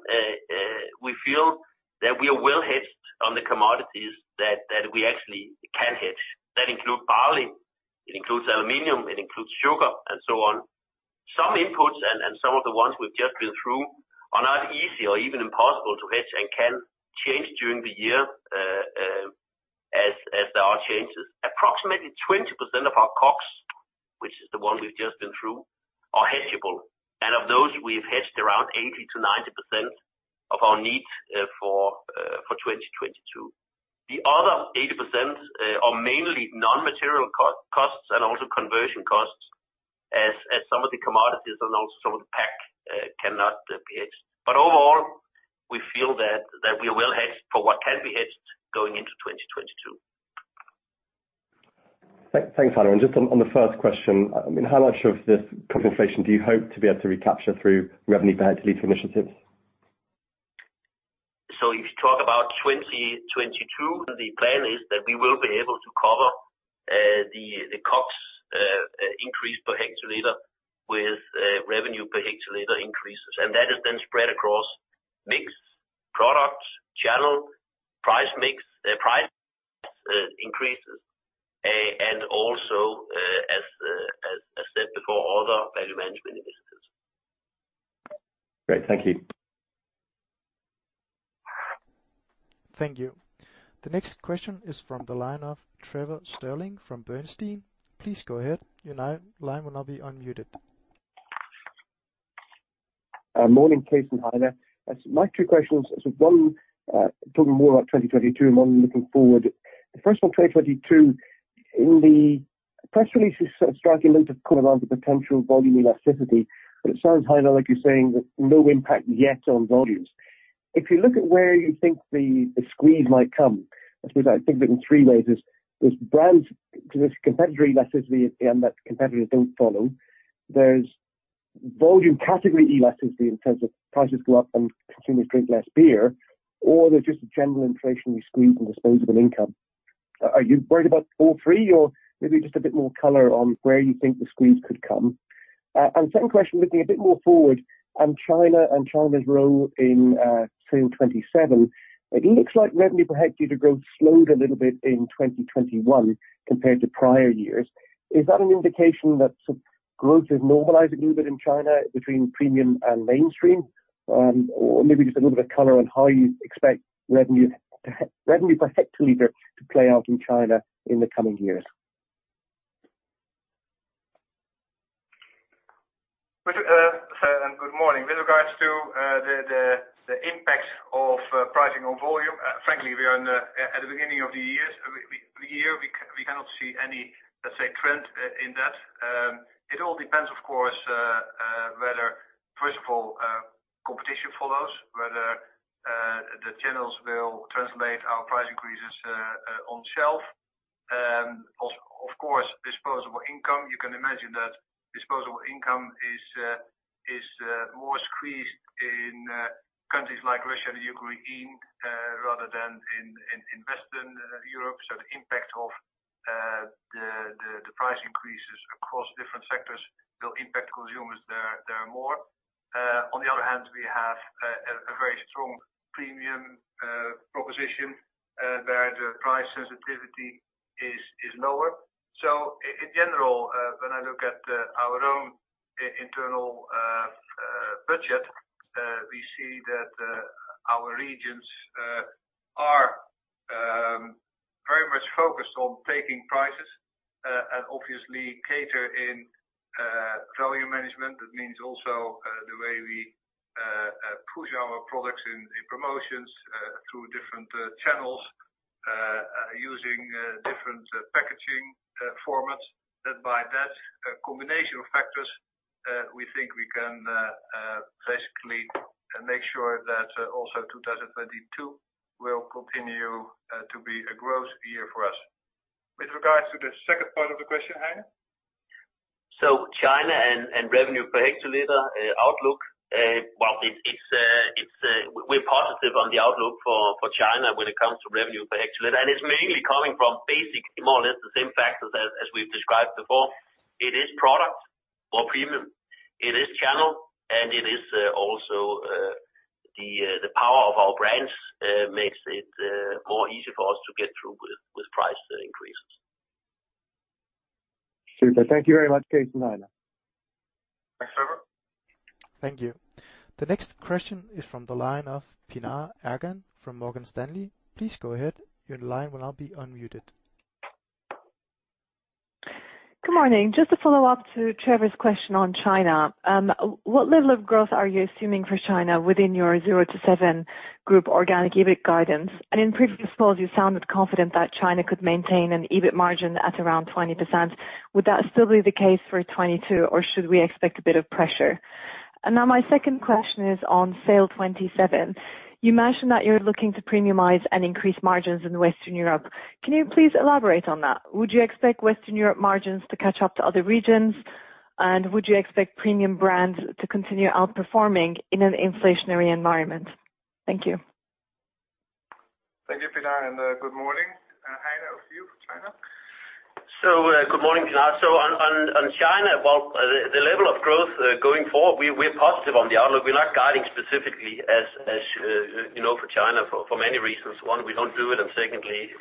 we feel that we are well hedged on the commodities that we actually can hedge. That include barley, it includes aluminum, it includes sugar and so on. Some inputs and some of the ones we've just been through are not easy or even impossible to hedge and can change during the year, as there are changes. Approximately 20% of our COGS, which is the one we've just been through, are hedgeable. Of those, we've hedged around 80%-90% of our needs for 2022. The other 80% are mainly non-material COGS and also conversion costs as some of the commodities and also some of the pack cannot be hedged. Overall, we feel that we are well hedged for what can be hedged going into 2022. Thanks, Heine. Just on the first question, I mean, how much of this COGS inflation do you hope to be able to recapture through revenue per hectoliter initiatives? If you talk about 2022, the plan is that we will be able to cover the COGS increase per hectoliter with revenue per hectoliter increases. That is then spread across mix, product, channel, price mix, price increases, and also, as said before, other value management initiatives. Great. Thank you. Thank you. The next question is from the line of Trevor Stirling from Bernstein. Please go ahead. Your line will now be unmuted. Morning, Cees and Heine. My two questions, one talking more about 2022 and one looking forward. The first on 2022, in the press release, you sort of struck a note of caution on the potential volume elasticity, but it sounds, Heine, like you're saying that no impact yet on volumes. If you look at where you think the squeeze might come, I suppose I think of it in three ways. There's brands, 'cause there's competitor elasticity and that competitors don't follow. There's volume category elasticity in terms of prices go up and consumers drink less beer, or there's just a general inflationary squeeze on disposable income. Are you worried about all three or maybe just a bit more color on where you think the squeeze could come? Second question, looking a bit more forward on China and China's role in SAIL'27. It looks like revenue per hectoliter growth slowed a little bit in 2021 compared to prior years. Is that an indication that sort of growth is normalizing a little bit in China between premium and mainstream? Maybe just a little bit of color on how you expect revenue per hectoliter to play out in China in the coming years. With regards to the impact of pricing on volume, frankly, we are at the beginning of the year. We cannot see any, let's say, trend in that. It all depends, of course, whether first of all, competition follows, whether the channels will translate our price increases on shelf. Of course, disposable income, you can imagine that disposable income is more squeezed in countries like Russia and Ukraine rather than in Western Europe. The impact of the price increases across different sectors will impact consumers there more. On the other hand, we have a very strong premium proposition where the price sensitivity is lower. In general, when I look at our own internal budget, we see that our regions are very much focused on taking prices and obviously capturing volume management. That means also the way we push our products in promotions through different channels using different packaging formats. That, by that combination of factors, we think we can basically make sure that also 2022 will continue to be a growth year for us. With regards to the second part of the question, Heine. We're positive on the outlook for China when it comes to revenue per hectoliter. It's mainly coming from basically more or less the same factors as we've described before. It is product or premium, it is channel, and it is also the power of our brands makes it more easy for us to get through with price increases. Super. Thank you very much, Cees and Heine. Thanks, Trevor. Thank you. The next question is from the line of Pinar Ergun from Morgan Stanley. Please go ahead. Your line will now be unmuted. Good morning. Just to follow up to Trevor's question on China, what level of growth are you assuming for China within your 0%-7% group organic EBIT guidance? In previous calls, you sounded confident that China could maintain an EBIT margin at around 20%. Would that still be the case for 2022 or should we expect a bit of pressure? Now my second question is on SAIL'27. You mentioned that you're looking to premiumize and increase margins in Western Europe. Can you please elaborate on that? Would you expect Western Europe margins to catch up to other regions? Would you expect premium brands to continue outperforming in an inflationary environment? Thank you. Thank you, Pinar, and good morning. Heine, over to you for China. Good morning, Pinar. On China, well, the level of growth going forward, we're positive on the outlook. We're not guiding specifically as you know, for China for many reasons. One, we don't do it, and secondly,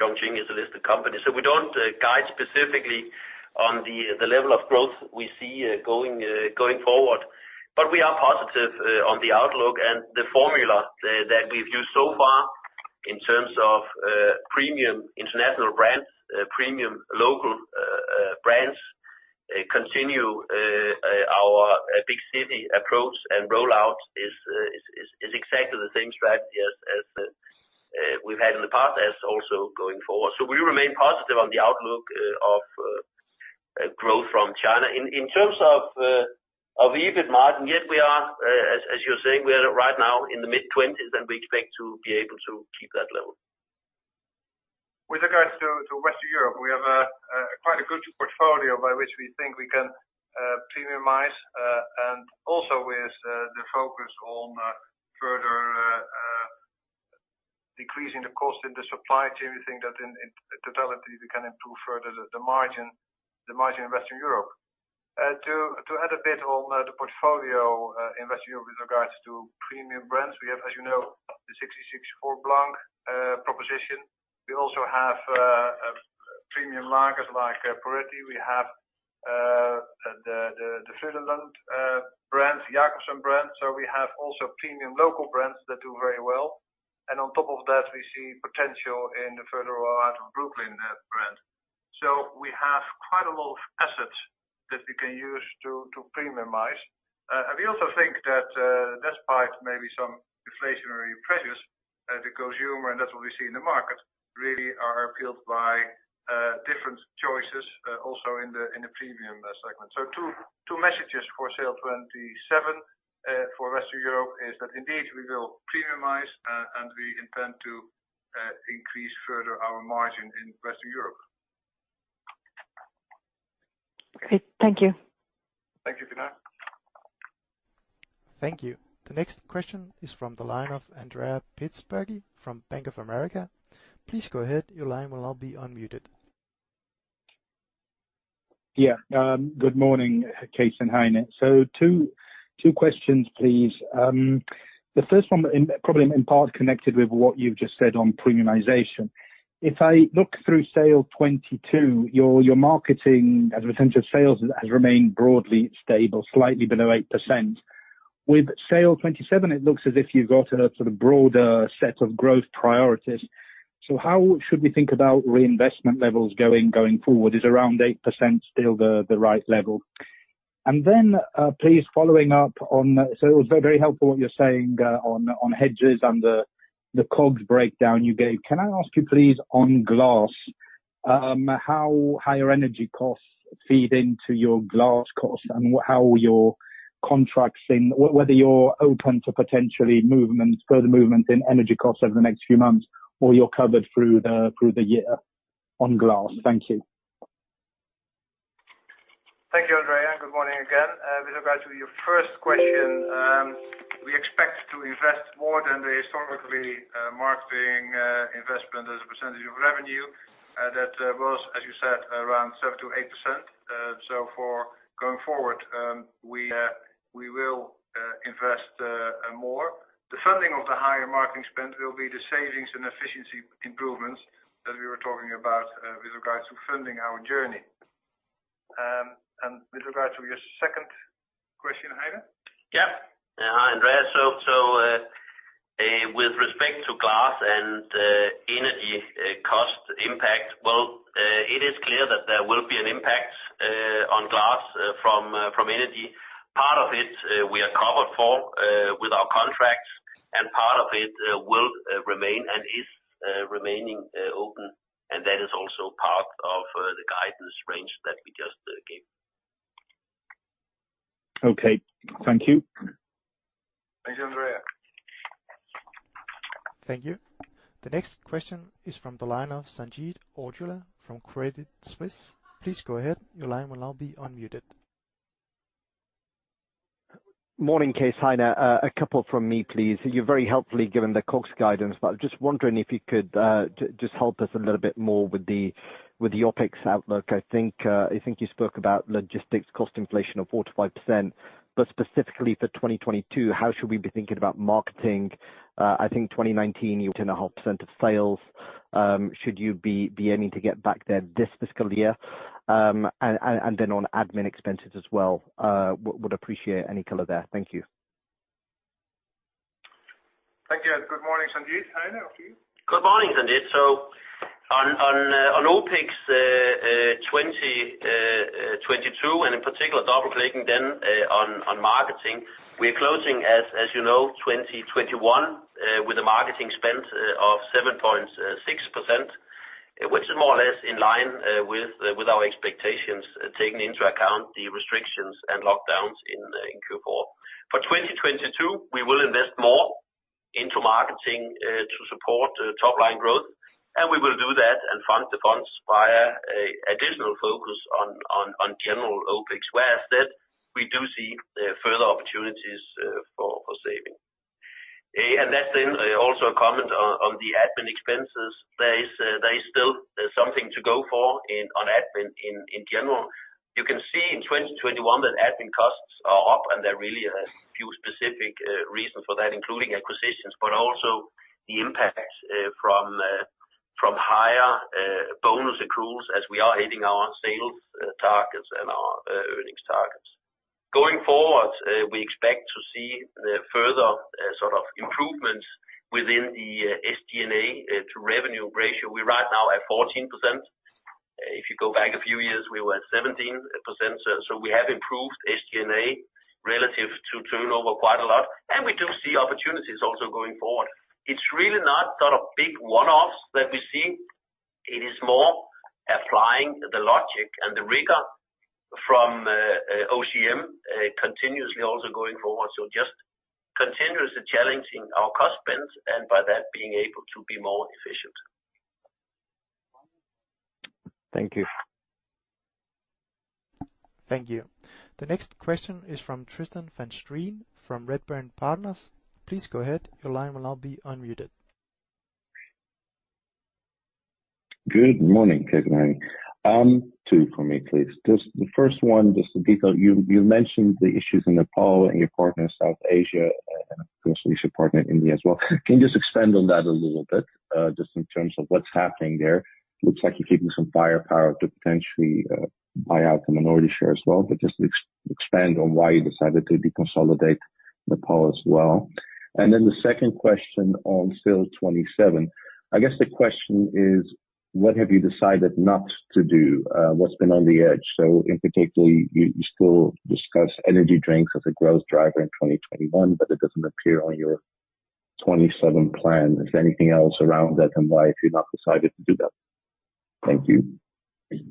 Chongqing is a listed company. We don't guide specifically on the level of growth we see going forward. But we are positive on the outlook and the formula that we've used so far in terms of premium international brands, premium local brands continue our big city approach and rollout is exactly the same strategy as we've had in the past as also going forward. We remain positive on the outlook of growth from China. In terms of EBIT margin, yes we are, as you're saying, we are right now in the mid-20s, and we expect to be able to keep that level. With regards to Western Europe, we have quite a good portfolio by which we think we can premiumize, and also with the focus on further decreasing the cost in the supply chain. We think that in totality, we can improve further the margin in Western Europe. To add a bit on the portfolio in Western Europe with regards to premium brands, we have, as you know, the 1664 Blanc proposition. We also have premium lagers like Poretti. We have the Frydenlund brands, Jacobsen brands. So we have also premium local brands that do very well. On top of that, we see potential in the further rollout of Brooklyn brand. We have quite a lot of assets that we can use to premiumize. We also think that, despite maybe some inflationary pressures, consumers, and that's what we see in the market, really are appealed by different choices also in the premium segment. Two messages for SAIL'27 for Western Europe is that indeed we will premiumize, and we intend to increase further our margin in Western Europe. Great. Thank you. Thank you, Pinar. Thank you. The next question is from the line of Andrea Pistacchi from Bank of America. Please go ahead. Your line will now be unmuted. Good morning, Cees and Heine. Two questions, please. The first one probably in part connected with what you've just said on premiumization. If I look through SAIL'22, your marketing as a percentage of sales has remained broadly stable, slightly below 8%. With SAIL'27, it looks as if you've got a sort of broader set of growth priorities. How should we think about reinvestment levels going forward? Is around 8% still the right level? And then, please, following up on it. It was very helpful what you're saying on hedges and the COGS breakdown you gave. Can I ask you please, on glass, how higher energy costs feed into your glass costs and how your contracts in, whether you're open to potential movement, further movement in energy costs over the next few months or you're covered through the year on glass? Thank you. Thank you, Andrea. Good morning again. With regard to your first question, we expect to invest more than the historical marketing investment as a percentage of revenue that was, as you said, around 7%-8%. Going forward, we will invest more. The funding of the higher marketing spend will be the savings and efficiency improvements that we were talking about with regards to Funding our Journey. With regards to your second question, Heine? Hi, Andrea. With respect to glass and energy cost impact, well, it is clear that there will be an impact on glass from energy. Part of it we are covered for with our contracts, and part of it will remain and is remaining open. That is also part of the guidance range that we just gave. Okay. Thank you. Thanks, Andrea. Thank you. The next question is from the line of Sanjeet Aujla from Credit Suisse. Please go ahead. Your line will now be unmuted. Morning, Cees and Heiner. A couple from me, please. You've very helpfully given the COGS guidance, but just wondering if you could just help us a little bit more with the OpEx outlook. I think you spoke about logistics cost inflation of 4%-5%, but specifically for 2022, how should we be thinking about marketing? I think 2019, you were 2.5% of sales. Should you be aiming to get back there this fiscal year? And then on admin expenses as well, would appreciate any color there. Thank you. Thank you. Good morning, Sanjeet. Heine, over to you. Good morning, Sanjeet. On OpEx in 2022, and in particular, double-clicking then on marketing, we're closing 2021, as you know, with a marketing spend of 7.6%, which is more or less in line with our expectations, taking into account the restrictions and lockdowns in Q4. For 2022, we will invest more into marketing to support top-line growth, and we will do that and fund the funds via an additional focus on general OpEx, where we do see further opportunities for saving. That's then also a comment on the admin expenses. There is still something to go for on admin in general. You can see in 2021 that admin costs are up, and there are really a few specific reasons for that, including acquisitions, but also the impacts from higher bonus accruals as we are hitting our sales targets and our earnings targets. Going forward, we expect to see the further sort of improvements within the SG&A to revenue ratio. We're right now at 14%. If you go back a few years, we were at 17%. We have improved SG&A relative to turnover quite a lot, and we do see opportunities also going forward. It's really not sort of big one-offs that we see. It is more applying the logic and the rigor from OCM continuously also going forward. Just continuously challenging our cost spends and by that being able to be more efficient. Thank you. Thank you. The next question is from Tristan van Strien from Redburn Partners. Please go ahead. Your line will now be unmuted. Good morning, Cees and Heine. Two for me, please. Just the first one. You mentioned the issues in Nepal and your partner in South Asia, and of course the partner in India as well. Can you just expand on that a little bit, just in terms of what's happening there? Looks like you're keeping some firepower to potentially buy out the minority share as well. But just expand on why you decided to deconsolidate Nepal as well. Then the second question on SAIL'27. I guess the question is, what have you decided not to do? What's been on the edge? In particular, you still discuss energy drinks as a growth driver in 2021, but it doesn't appear on your 2027 plan. Is there anything else around that, and why have you not decided to do that? Thank you. Thank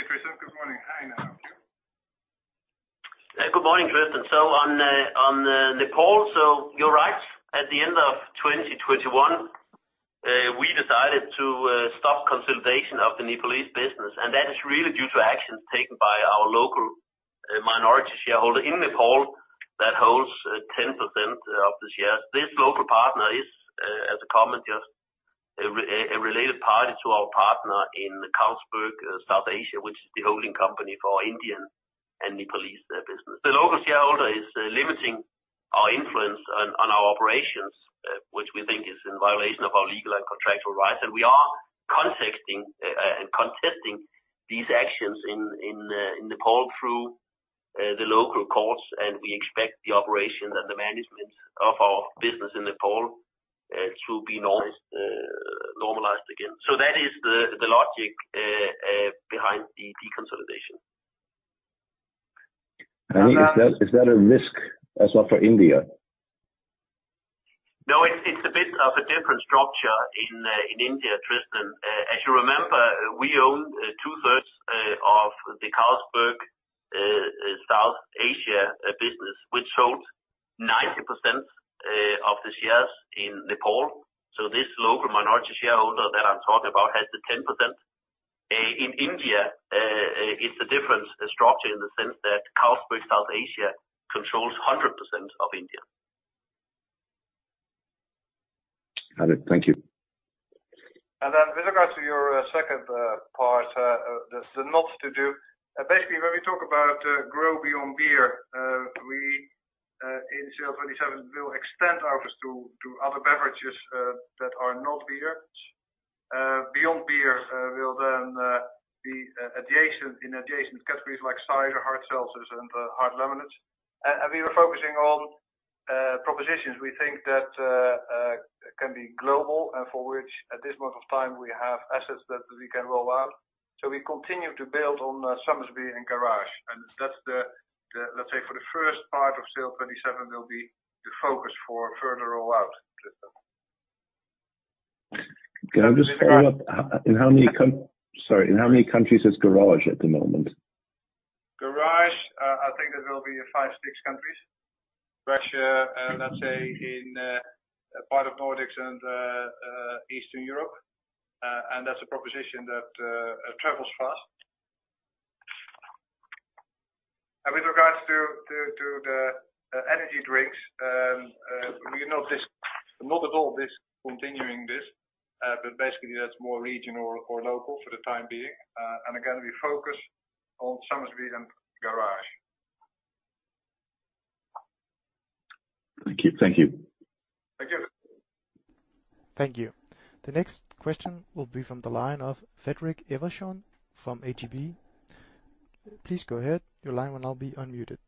you, Tristan. Good morning. Heine over to you. Good morning, Tristan. On Nepal, you're right. At the end of 2021, we decided to stop consolidation of the Nepalese business, and that is really due to actions taken by our local minority shareholder in Nepal that holds 10% of the shares. This local partner is, as a comment, just a related party to our partner in Carlsberg South Asia, which is the holding company for Indian and Nepalese business. The local shareholder is limiting our influence on our operations, which we think is in violation of our legal and contractual rights, and we are contesting these actions in Nepal through the local courts, and we expect the operation and the management of our business in Nepal to be normalized again. That is the logic behind the deconsolidation. Is that a risk as well for India? No, it's a bit of a different structure in India, Tristan. As you remember, we own two-thirds of the Carlsberg South Asia business, which holds 90% of the shares in Nepal. This local minority shareholder that I'm talking about has the 10%. In India, it's a different structure in the sense that Carlsberg South Asia controls 100% of India. Got it. Thank you. With regards to your second part, the not-to-do, basically, when we talk about grow beyond beer, we in SAIL'27 will extend our efforts to other beverages that are not beer. Beyond beer will then be in adjacent categories like cider, hard seltzers and hard lemonades. We were focusing on propositions we think that can be global and for which at this point of time we have assets that we can roll out. We continue to build on Somersby and Garage, and that's the. Let's say, for the first part of SAIL'27, it will be the focus for further rollout, Tristan. Can I just follow up? Sorry, in how many countries is Garage at the moment? Garage, I think that will be five to six countries. Russia, let's say in part of Nordics and Eastern Europe. That's a proposition that travels fast. With regards to the energy drinks, we're not at all discontinuing this, but basically that's more regional or local for the time being. Again, we focus on Somersby and Garage. Thank you. Thank you. Thank you. Thank you. The next question will be from the line of Fredrik Skjerven from ABG. Please go ahead. Your line will now be unmuted.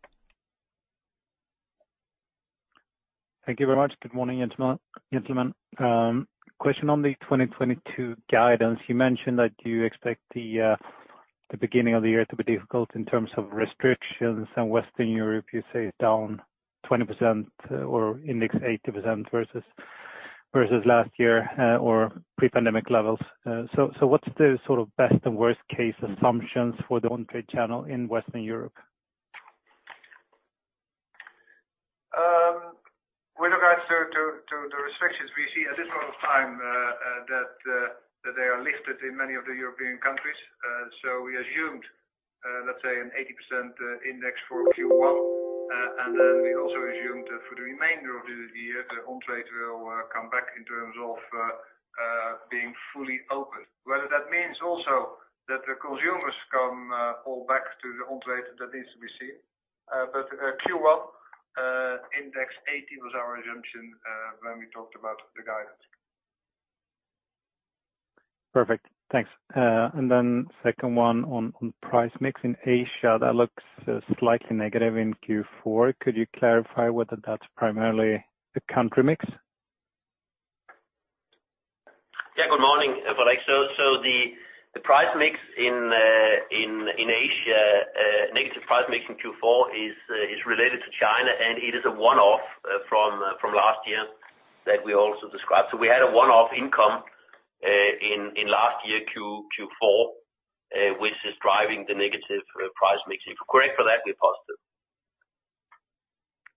Thank you very much. Good morning, gentlemen. Question on the 2022 guidance. You mentioned that you expect the beginning of the year to be difficult in terms of restrictions. In Western Europe, you say it's down 20% or index 80% versus last year or pre-pandemic levels. What's the sort of best and worst case assumptions for the on-trade channel in Western Europe? With regards to the restrictions we see at this point of time that they are lifted in many of the European countries. We assumed, let's say, an 80% index for Q1. Then we also assumed that for the remainder of the year, the on-trade will come back in terms of being fully opened. Whether that means also that the consumers come all back to the on-trade, that needs to be seen. Q1 80% index was our assumption when we talked about the guidance. Perfect. Thanks. Second one on price mix in Asia, that looks slightly negative in Q4. Could you clarify whether that's primarily the country mix? Yeah. Good morning, Fredrik. The price mix in Asia, negative price mix in Q4 is related to China, and it is a one-off from last year that we also described. We had a one-off income in last year Q4, which is driving the negative price mix. If you correct for that, we're positive.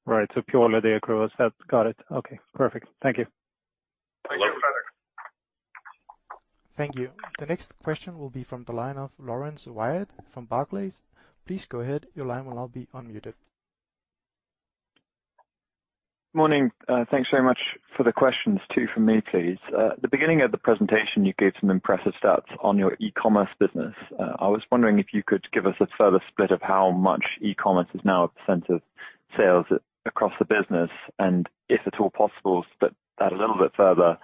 Right. Purely the across. Got it. Okay. Perfect. Thank you. Thank you, Fredrik. Thank you. The next question will be from the line of Laurence Whyatt from Barclays. Please go ahead. Your line will now be unmuted. Morning. Thanks very much for the questions. Two from me, please. At the beginning of the presentation you gave some impressive stats on your e-commerce business. I was wondering if you could give us a further split of how much e-commerce is now a percent of sales across the business, and if at all possible, split that a little bit further,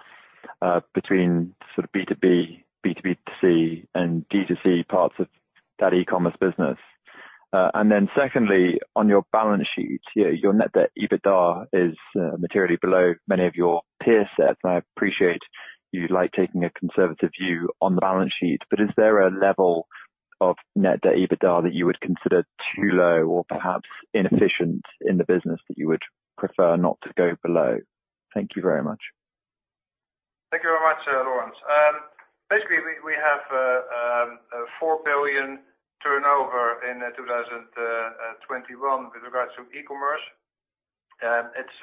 between sort of B2B, B2B2C, and D2C parts of that e-commerce business. And then secondly, on your balance sheet, your net debt EBITDA is materially below many of your peer sets. I appreciate you like taking a conservative view on the balance sheet, but is there a level of net debt EBITDA that you would consider too low or perhaps inefficient in the business that you would prefer not to go below? Thank you very much. Thank you very much, Laurence. Basically we have 4 billion turnover in 2021 with regards to e-commerce. It's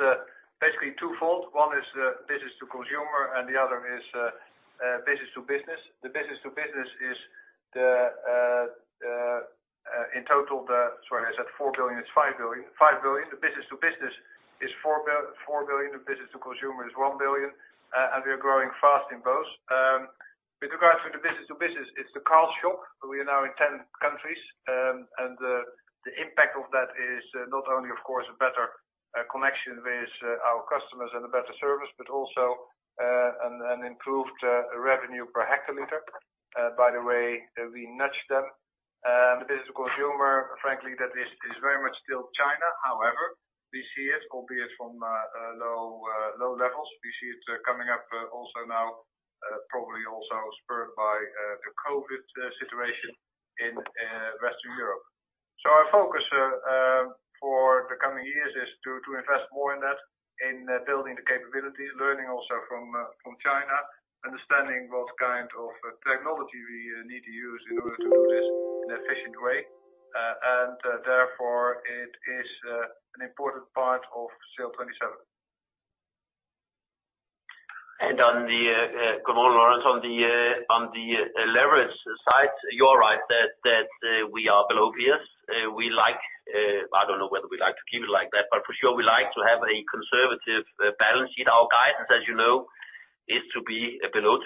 basically twofold. One is business to consumer, and the other is business to business. Sorry, I said four billion, it's five billion. Five billion. The business to business is four billion, and business to consumer is one billion. We are growing fast in both. With regards to the business to business, it's the Carl's Shop. We are now in 10 countries. The impact of that is not only of course a better connection with our customers and a better service, but also an improved revenue per hectoliter. By the way, we nudge them. Business to consumer, frankly that is very much still China. However, we see it, albeit from low levels. We see it coming up also now, probably also spurred by the COVID situation in Western Europe. Our focus for the coming years is to invest more in that, in building the capability, learning also from China, understanding what kind of technology we need to use in order to do this in an efficient way. Therefore it is an important part of SAIL'27. Good morning Laurence, on the leverage side, you're right that we are below peers. We like, I don't know whether we like to keep it like that, but for sure we like to have a conservative balance in our guidance, as you know, is to be below 2x,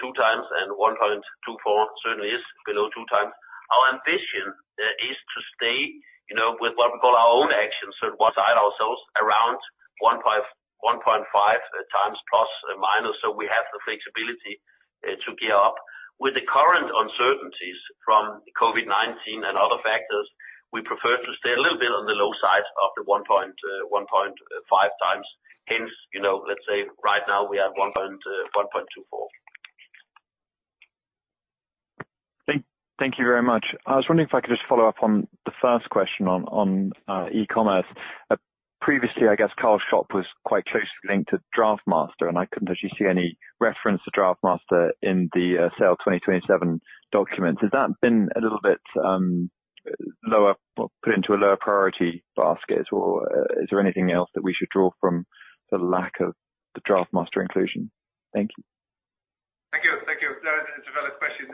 and 1.24x certainly is below 2x. Our ambition is to stay, you know, with what we call our own actions, so one side ourselves, around 1.5, 1.5x ±, so we have the flexibility to gear up. With the current uncertainties from COVID-19 and other factors, we prefer to stay a little bit on the low side of the 1.5x. Hence, you know, let's say right now we have 1.24x. Thank you very much. I was wondering if I could just follow up on the first question on e-commerce. Previously, I guess Carl's Shop was quite closely linked to DraughtMaster, and I couldn't actually see any reference to DraughtMaster in the SAIL'27 document. Has that been a little bit lower or put into a lower priority basket, or is there anything else that we should draw from the lack of the DraughtMaster inclusion? Thank you. Thank you. That is a valid question.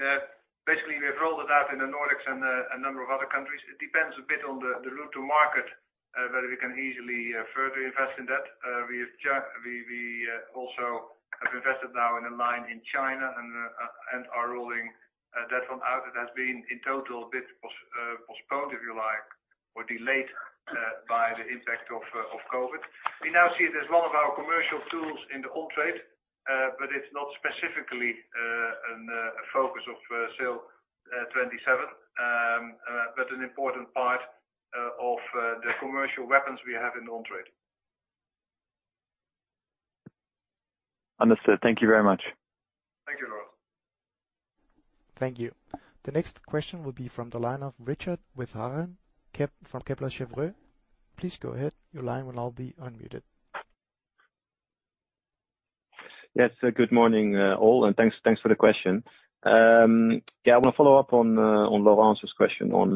Basically, we have rolled it out in the Nordics and a number of other countries. It depends a bit on the route to market whether we can easily further invest in that. We also have invested now in a line in China and are rolling that one out. It has been in total a bit postponed, if you like, or delayed, by the impact of COVID. We now see it as one of our commercial tools in the on-trade, but it's not specifically a focus of SAIL'27, but an important part of the commercial weapons we have in the on-trade. Understood. Thank you very much. Thank you, Laurence. Thank you. The next question will be from the line of Richard Withagen, Kepler Cheuvreux. Please go ahead. Your line will now be unmuted. Yes. Good morning, all, and thanks for the question. I want to follow up on Laurence's question on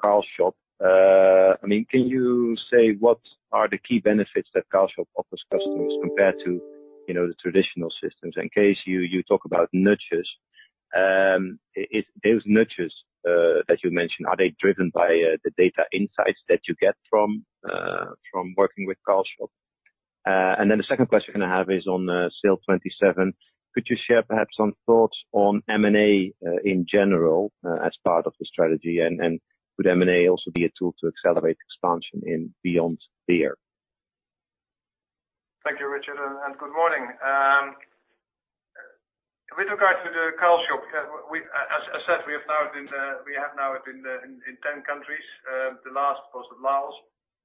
Carl's Shop. I mean, can you say what are the key benefits that Carl's Shop offers customers compared to the traditional systems? In case you talk about features, those features that you mentioned, are they driven by the data insights that you get from working with Carl's Shop? The second question I have is on SAIL'27. Could you share perhaps some thoughts on M&A in general as part of the strategy? Would M&A also be a tool to accelerate expansion in beyond beer? Thank you, Richard, and good morning. With regards to the Carl's Shop, as said, we have now been in 10 countries. The last was Laos.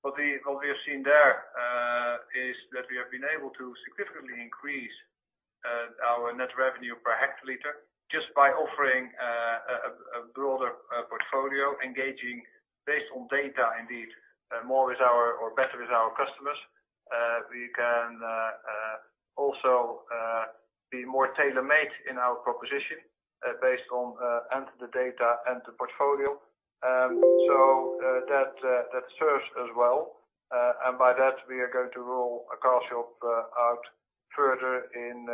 What we have seen there is that we have been able to significantly increase our net revenue per hectoliter just by offering a broader portfolio, engaging based on data indeed more or better with our customers. We can also be more tailor-made in our proposition based on the data and the portfolio. That serves as well. By that, we are going to roll a Carl's Shop out further in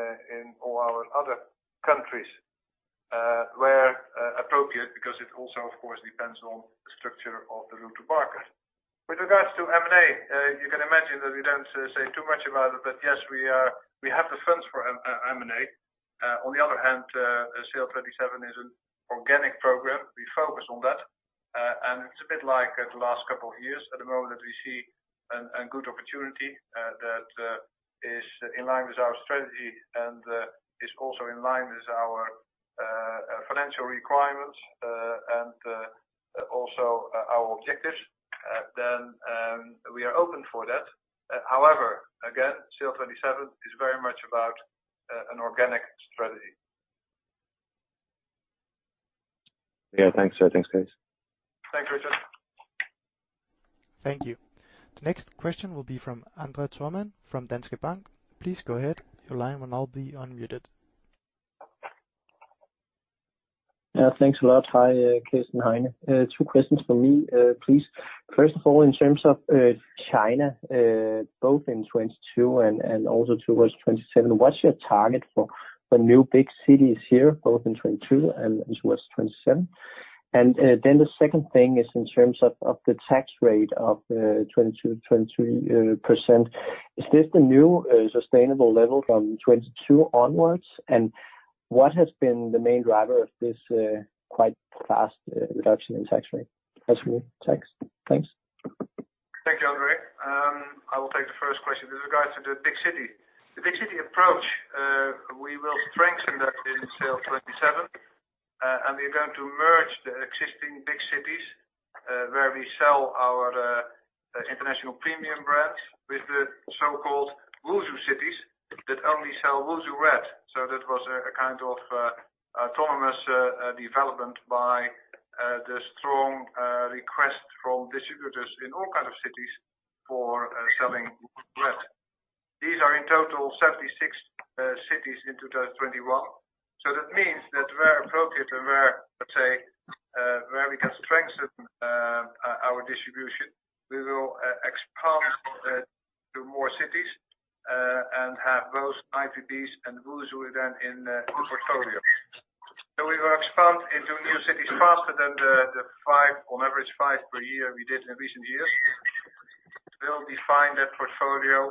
all our other countries where appropriate, because it also, of course, depends on the structure of the route to market. With regards to M&A, you can imagine that we don't say too much about it, but yes, we are, we have the funds for M&A. On the other hand, SAIL'27 is an organic program. We focus on that. It's a bit like the last couple of years. At the moment, we see a good opportunity that is in line with our strategy and is also in line with our financial requirements and also our objectives, then we are open for that. However, again, SAIL'27 is very much about an organic strategy. Yeah, thanks sir. Thanks, Cees. Thanks, Richard. Thank you. The next question will be from André Thormann from Danske Bank. Please go ahead. Your line will now be unmuted. Yeah, thanks a lot. Hi, Cees and Heine. Two questions from me, please. First of all, in terms of China, both in 2022 and also towards 2027, what's your target for new big cities here, both in 2022 and towards 2027? Then the second thing is in terms of the tax rate of 22%-23%. Is this the new sustainable level from 2022 onwards? What has been the main driver of this quite fast reduction in tax rate as well? Thanks. Thank you, André. I will take the first question with regards to the big city. The big city approach, we will strengthen that in SAIL'27, and we're going to merge the existing big cities, where we sell our international premium brands with the so-called Wusu cities that only sell Wusu Red. That was a kind of autonomous development by the strong request from distributors in all kinds of cities for selling Wusu Red. These are in total 76 cities in 2021. That means that we're appropriately and we're, let's say, where we can strengthen our distribution. We will expand to more cities and have both IPBs and Wusu then in the portfolio. We will expand into new cities faster than the five on average five per year we did in recent years. We'll tailor that portfolio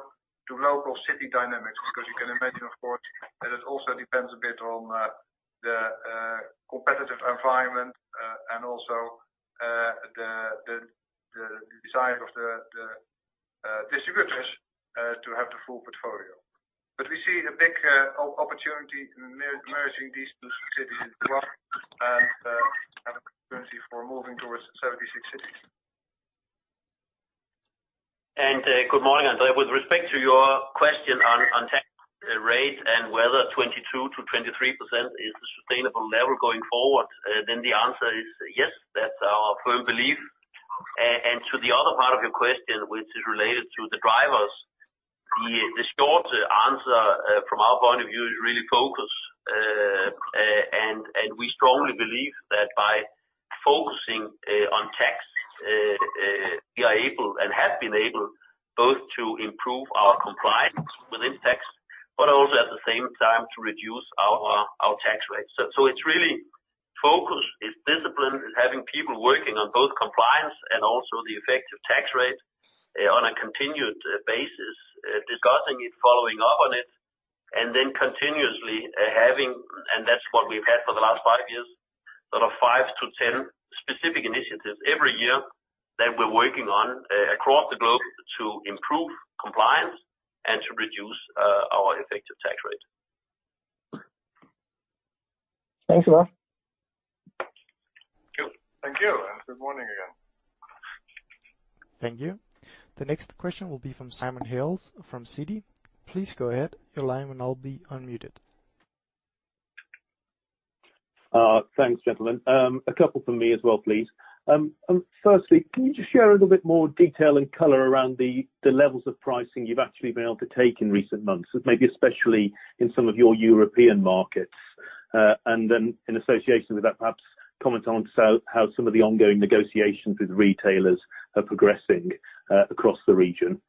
to local city dynamics, because you can imagine, of course, that it also depends a bit on the competitive environment, and also the desire of the distributors to have the full portfolio. We see a big opportunity in merging these two cities into one and have an opportunity for moving towards 76 cities. Good morning, André. With respect to your question on tax rate and whether 22%-23% is the sustainable level going forward, then the answer is yes, that's our firm belief. To the other part of your question, which is related to the drivers, the short answer from our point of view is really focus. We strongly believe that by focusing on tax, we are able and have been able both to improve our compliance within tax, but also at the same time to reduce our tax rates. It's really focus, it's discipline, it's having people working on both compliance and also the effective tax rate on a continued basis, discussing it, following up on it, and then continuously having, and that's what we've had for the last five years, sort of five to 10 specific initiatives every year that we're working on across the globe to improve compliance and to reduce our effective tax rate. Thanks a lot. Thank you. Thank you, and good morning again. Thank you. The next question will be from Simon Hales from Citi. Please go ahead. Your line will now be unmuted. Thanks, gentlemen. A couple from me as well, please. Firstly, can you just share a little bit more detail and color around the levels of pricing you've actually been able to take in recent months, maybe especially in some of your European markets? In association with that, perhaps comment on how some of the ongoing negotiations with retailers are progressing across the region.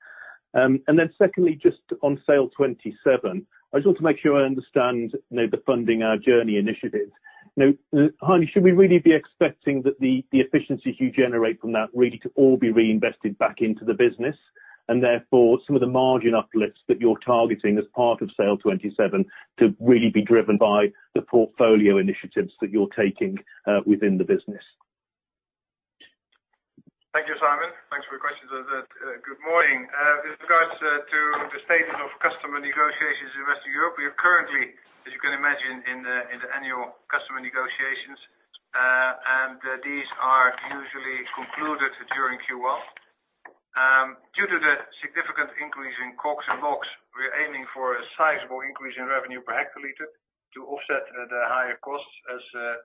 Secondly, just on SAIL'27, I just want to make sure I understand, you know, the Funding our Journey initiative. Now, Heine, should we really be expecting that the efficiencies you generate from that really to all be reinvested back into the business? Therefore, some of the margin uplifts that you're targeting as part of SAIL'27 to really be driven by the portfolio initiatives that you're taking within the business. Thank you, Simon. Thanks for your questions. Good morning. With regards to the status of customer negotiations in Western Europe, we are currently, as you can imagine, in the annual customer negotiations, and these are usually concluded during Q1. Due to the significant increase in COGS and LOGS, we're aiming for a sizable increase in revenue per hectoliter to offset the higher costs, as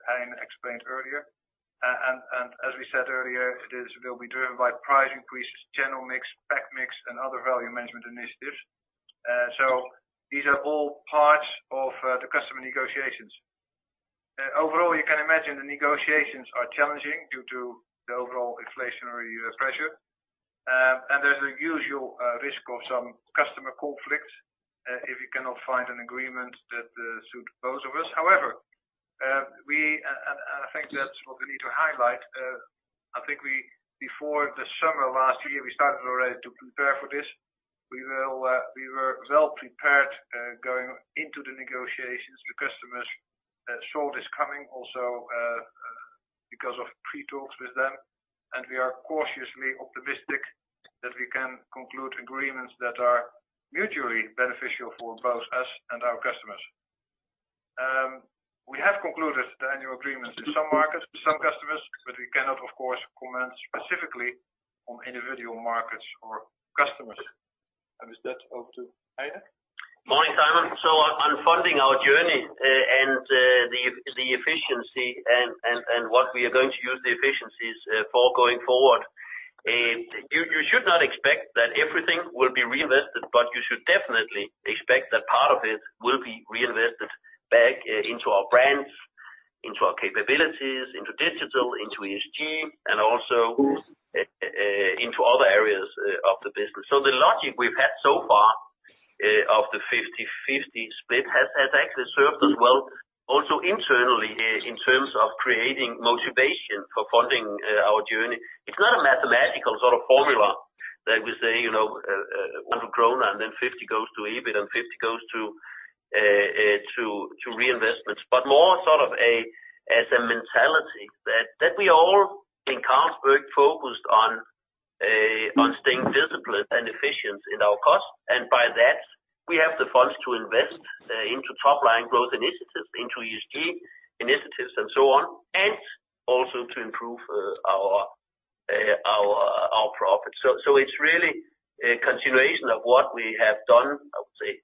Heine explained earlier. As we said earlier, it will be driven by price increases, channel mix, pack mix, and other value management initiatives. These are all parts of the customer negotiations. Overall, you can imagine the negotiations are challenging due to the overall inflationary pressure. There's a usual risk of some customer conflict if you cannot find an agreement that suits both of us. However, I think that's what we need to highlight. I think we, before the summer of last year, we started already to prepare for this. We were well prepared going into the negotiations. The customers saw this coming also because of pre-talks with them, and we are cautiously optimistic that we can conclude agreements that are mutually beneficial for both us and our customers. We have concluded the annual agreements in some markets with some customers, but we cannot, of course, comment specifically on individual markets or customers. With that, over to Heine. Morning, Simon. On Funding our Journey and the efficiency and what we are going to use the efficiencies for going forward, you should not expect that everything will be reinvested, but you should definitely expect that part of it will be reinvested back into our brands, into our capabilities, into digital, into ESG, and also into other areas of the business. The logic we've had so far of the 50/50 split has actually served us well also internally in terms of creating motivation for funding our journey. It's not a mathematical sort of formula that we say, you know, over corona and then 50 goes to EBIT and 50 goes to reinvestments. More sort of a mentality that we all in Carlsberg focused on staying disciplined and efficient in our costs. By that, we have the funds to invest into top line growth initiatives, into ESG initiatives and so on, and also to improve our profits. It's really a continuation of what we have done, I would say,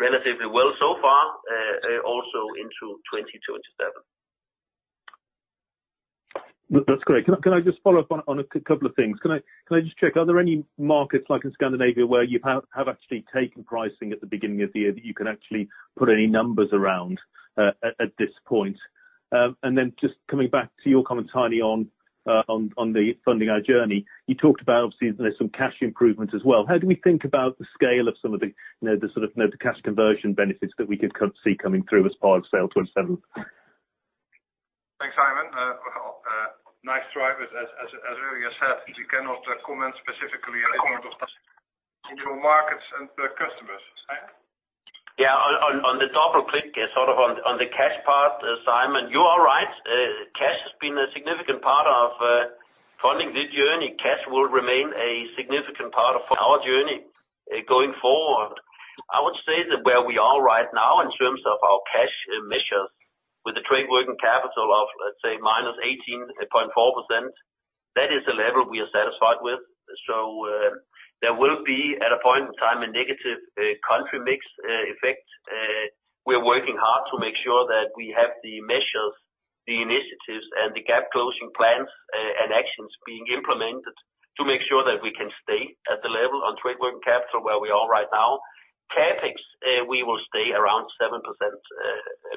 relatively well so far, also into 2027. That's great. Can I just follow up on a couple of things? Can I just check, are there any markets like in Scandinavia where you have actually taken pricing at the beginning of the year that you can actually put any numbers around, at this point? Just coming back to your comment, Heine, on the Funding our Journey. You talked about obviously there's some cash improvements as well. How do we think about the scale of some of the, you know, the sort of net cash conversion benefits that we can see coming through as part of SAIL'27? Thanks, Simon. Nice try, but as earlier said, we cannot comment specifically on individual markets and customers. Heine? Yeah, on the double click sort of on the cash part, Simon, you are right. Cash has been a significant part of Funding the Journey. Cash will remain a significant part of our journey going forward. I would say that where we are right now in terms of our cash measures with the trade working capital of, let's say, -18.4%, that is the level we are satisfied with. There will be, at a point in time, a negative country mix effect. We are working hard to make sure that we have the measures, the initiatives, and the gap closing plans and actions being implemented to make sure that we can stay at the level on trade working capital where we are right now. CapEx, we will stay around 7%,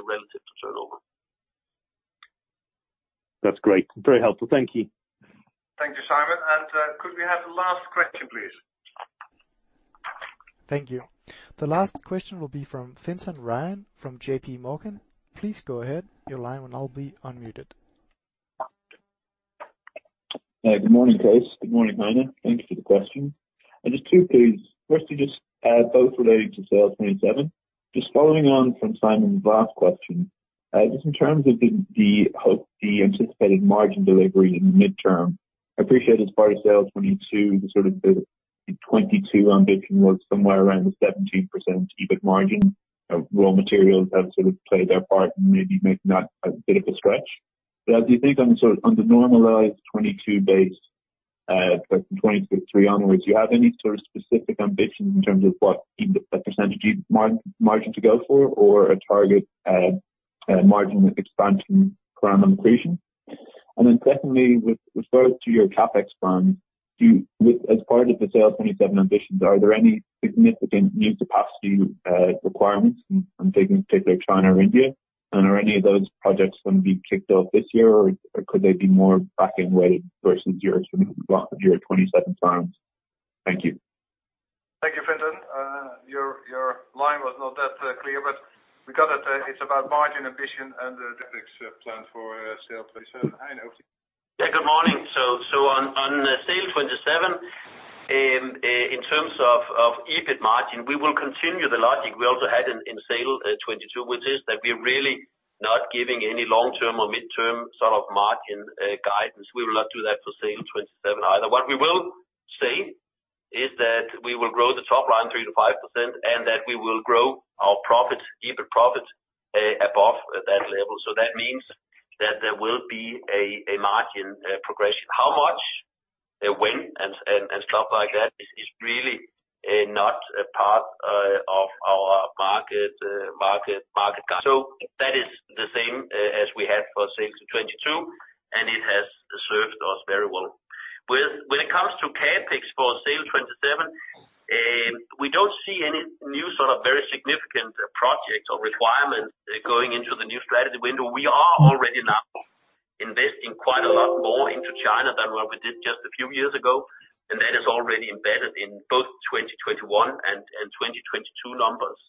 relative to turnover. That's great. Very helpful. Thank you. Thank you, Simon. Could we have the last question, please? Thank you. The last question will be from Fintan Ryan from JPMorgan. Please go ahead. Your line will now be unmuted. Good morning, Cees. Good morning, Heine. Thank you for the question. Just two, please. First, both related to SAIL'27. Just following on from Simon's last question. Just in terms of the anticipated margin delivery in the midterm. I appreciate as part of SAIL'22, the sort of the 2022 ambition was somewhere around the 17% EBIT margin. Raw materials have sort of played their part in maybe making that a bit of a stretch. But as you think sort of on the normalized 2022 base, 2023 onwards, do you have any sort of specific ambition in terms of what the percentage margin to go for or a target margin expansion plan or creation? Secondly, with regards to your CapEx plan, do you with as part of the SAIL'27 ambitions, are there any significant new capacity requirements in particular China or India? Are any of those projects going to be kicked off this year, or could they be more back-loaded versus your, sort of, bulk of your SAIL'27 plans? Thank you. Thank you, Fintan. Your line was not that clear, but we got it. It's about margin ambition and the CapEx plan for SAIL'27. Heine, over to you. Good morning. On SAIL'27, in terms of EBIT margin, we will continue the logic we also had in SAIL'22, which is that we're really not giving any long-term or midterm sort of margin guidance. We will not do that for SAIL'27 either. What we will say is that we will grow the top line 3%-5%, and that we will grow our profits, EBIT profits, above that level. That means that there will be a margin progression. How much, when and stuff like that is really not a part of our margin guidance. That is the same as we had for SAIL'22, and it has served us very well. When it comes to CapEx for SAIL'27, we don't see any new sort of very significant project or requirement going into the new strategy window. We are already now investing quite a lot more into China than what we did just a few years ago, and that is already embedded in both 2021 and 2022 numbers.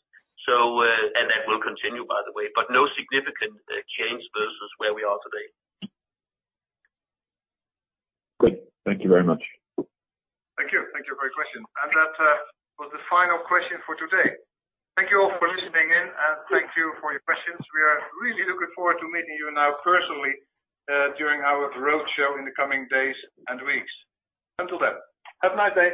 That will continue, by the way, but no significant change versus where we are today. Great. Thank you very much. Thank you. Thank you for your question. That was the final question for today. Thank you all for listening in, and thank you for your questions. We are really looking forward to meeting you now personally during our roadshow in the coming days and weeks. Until then, have a nice day.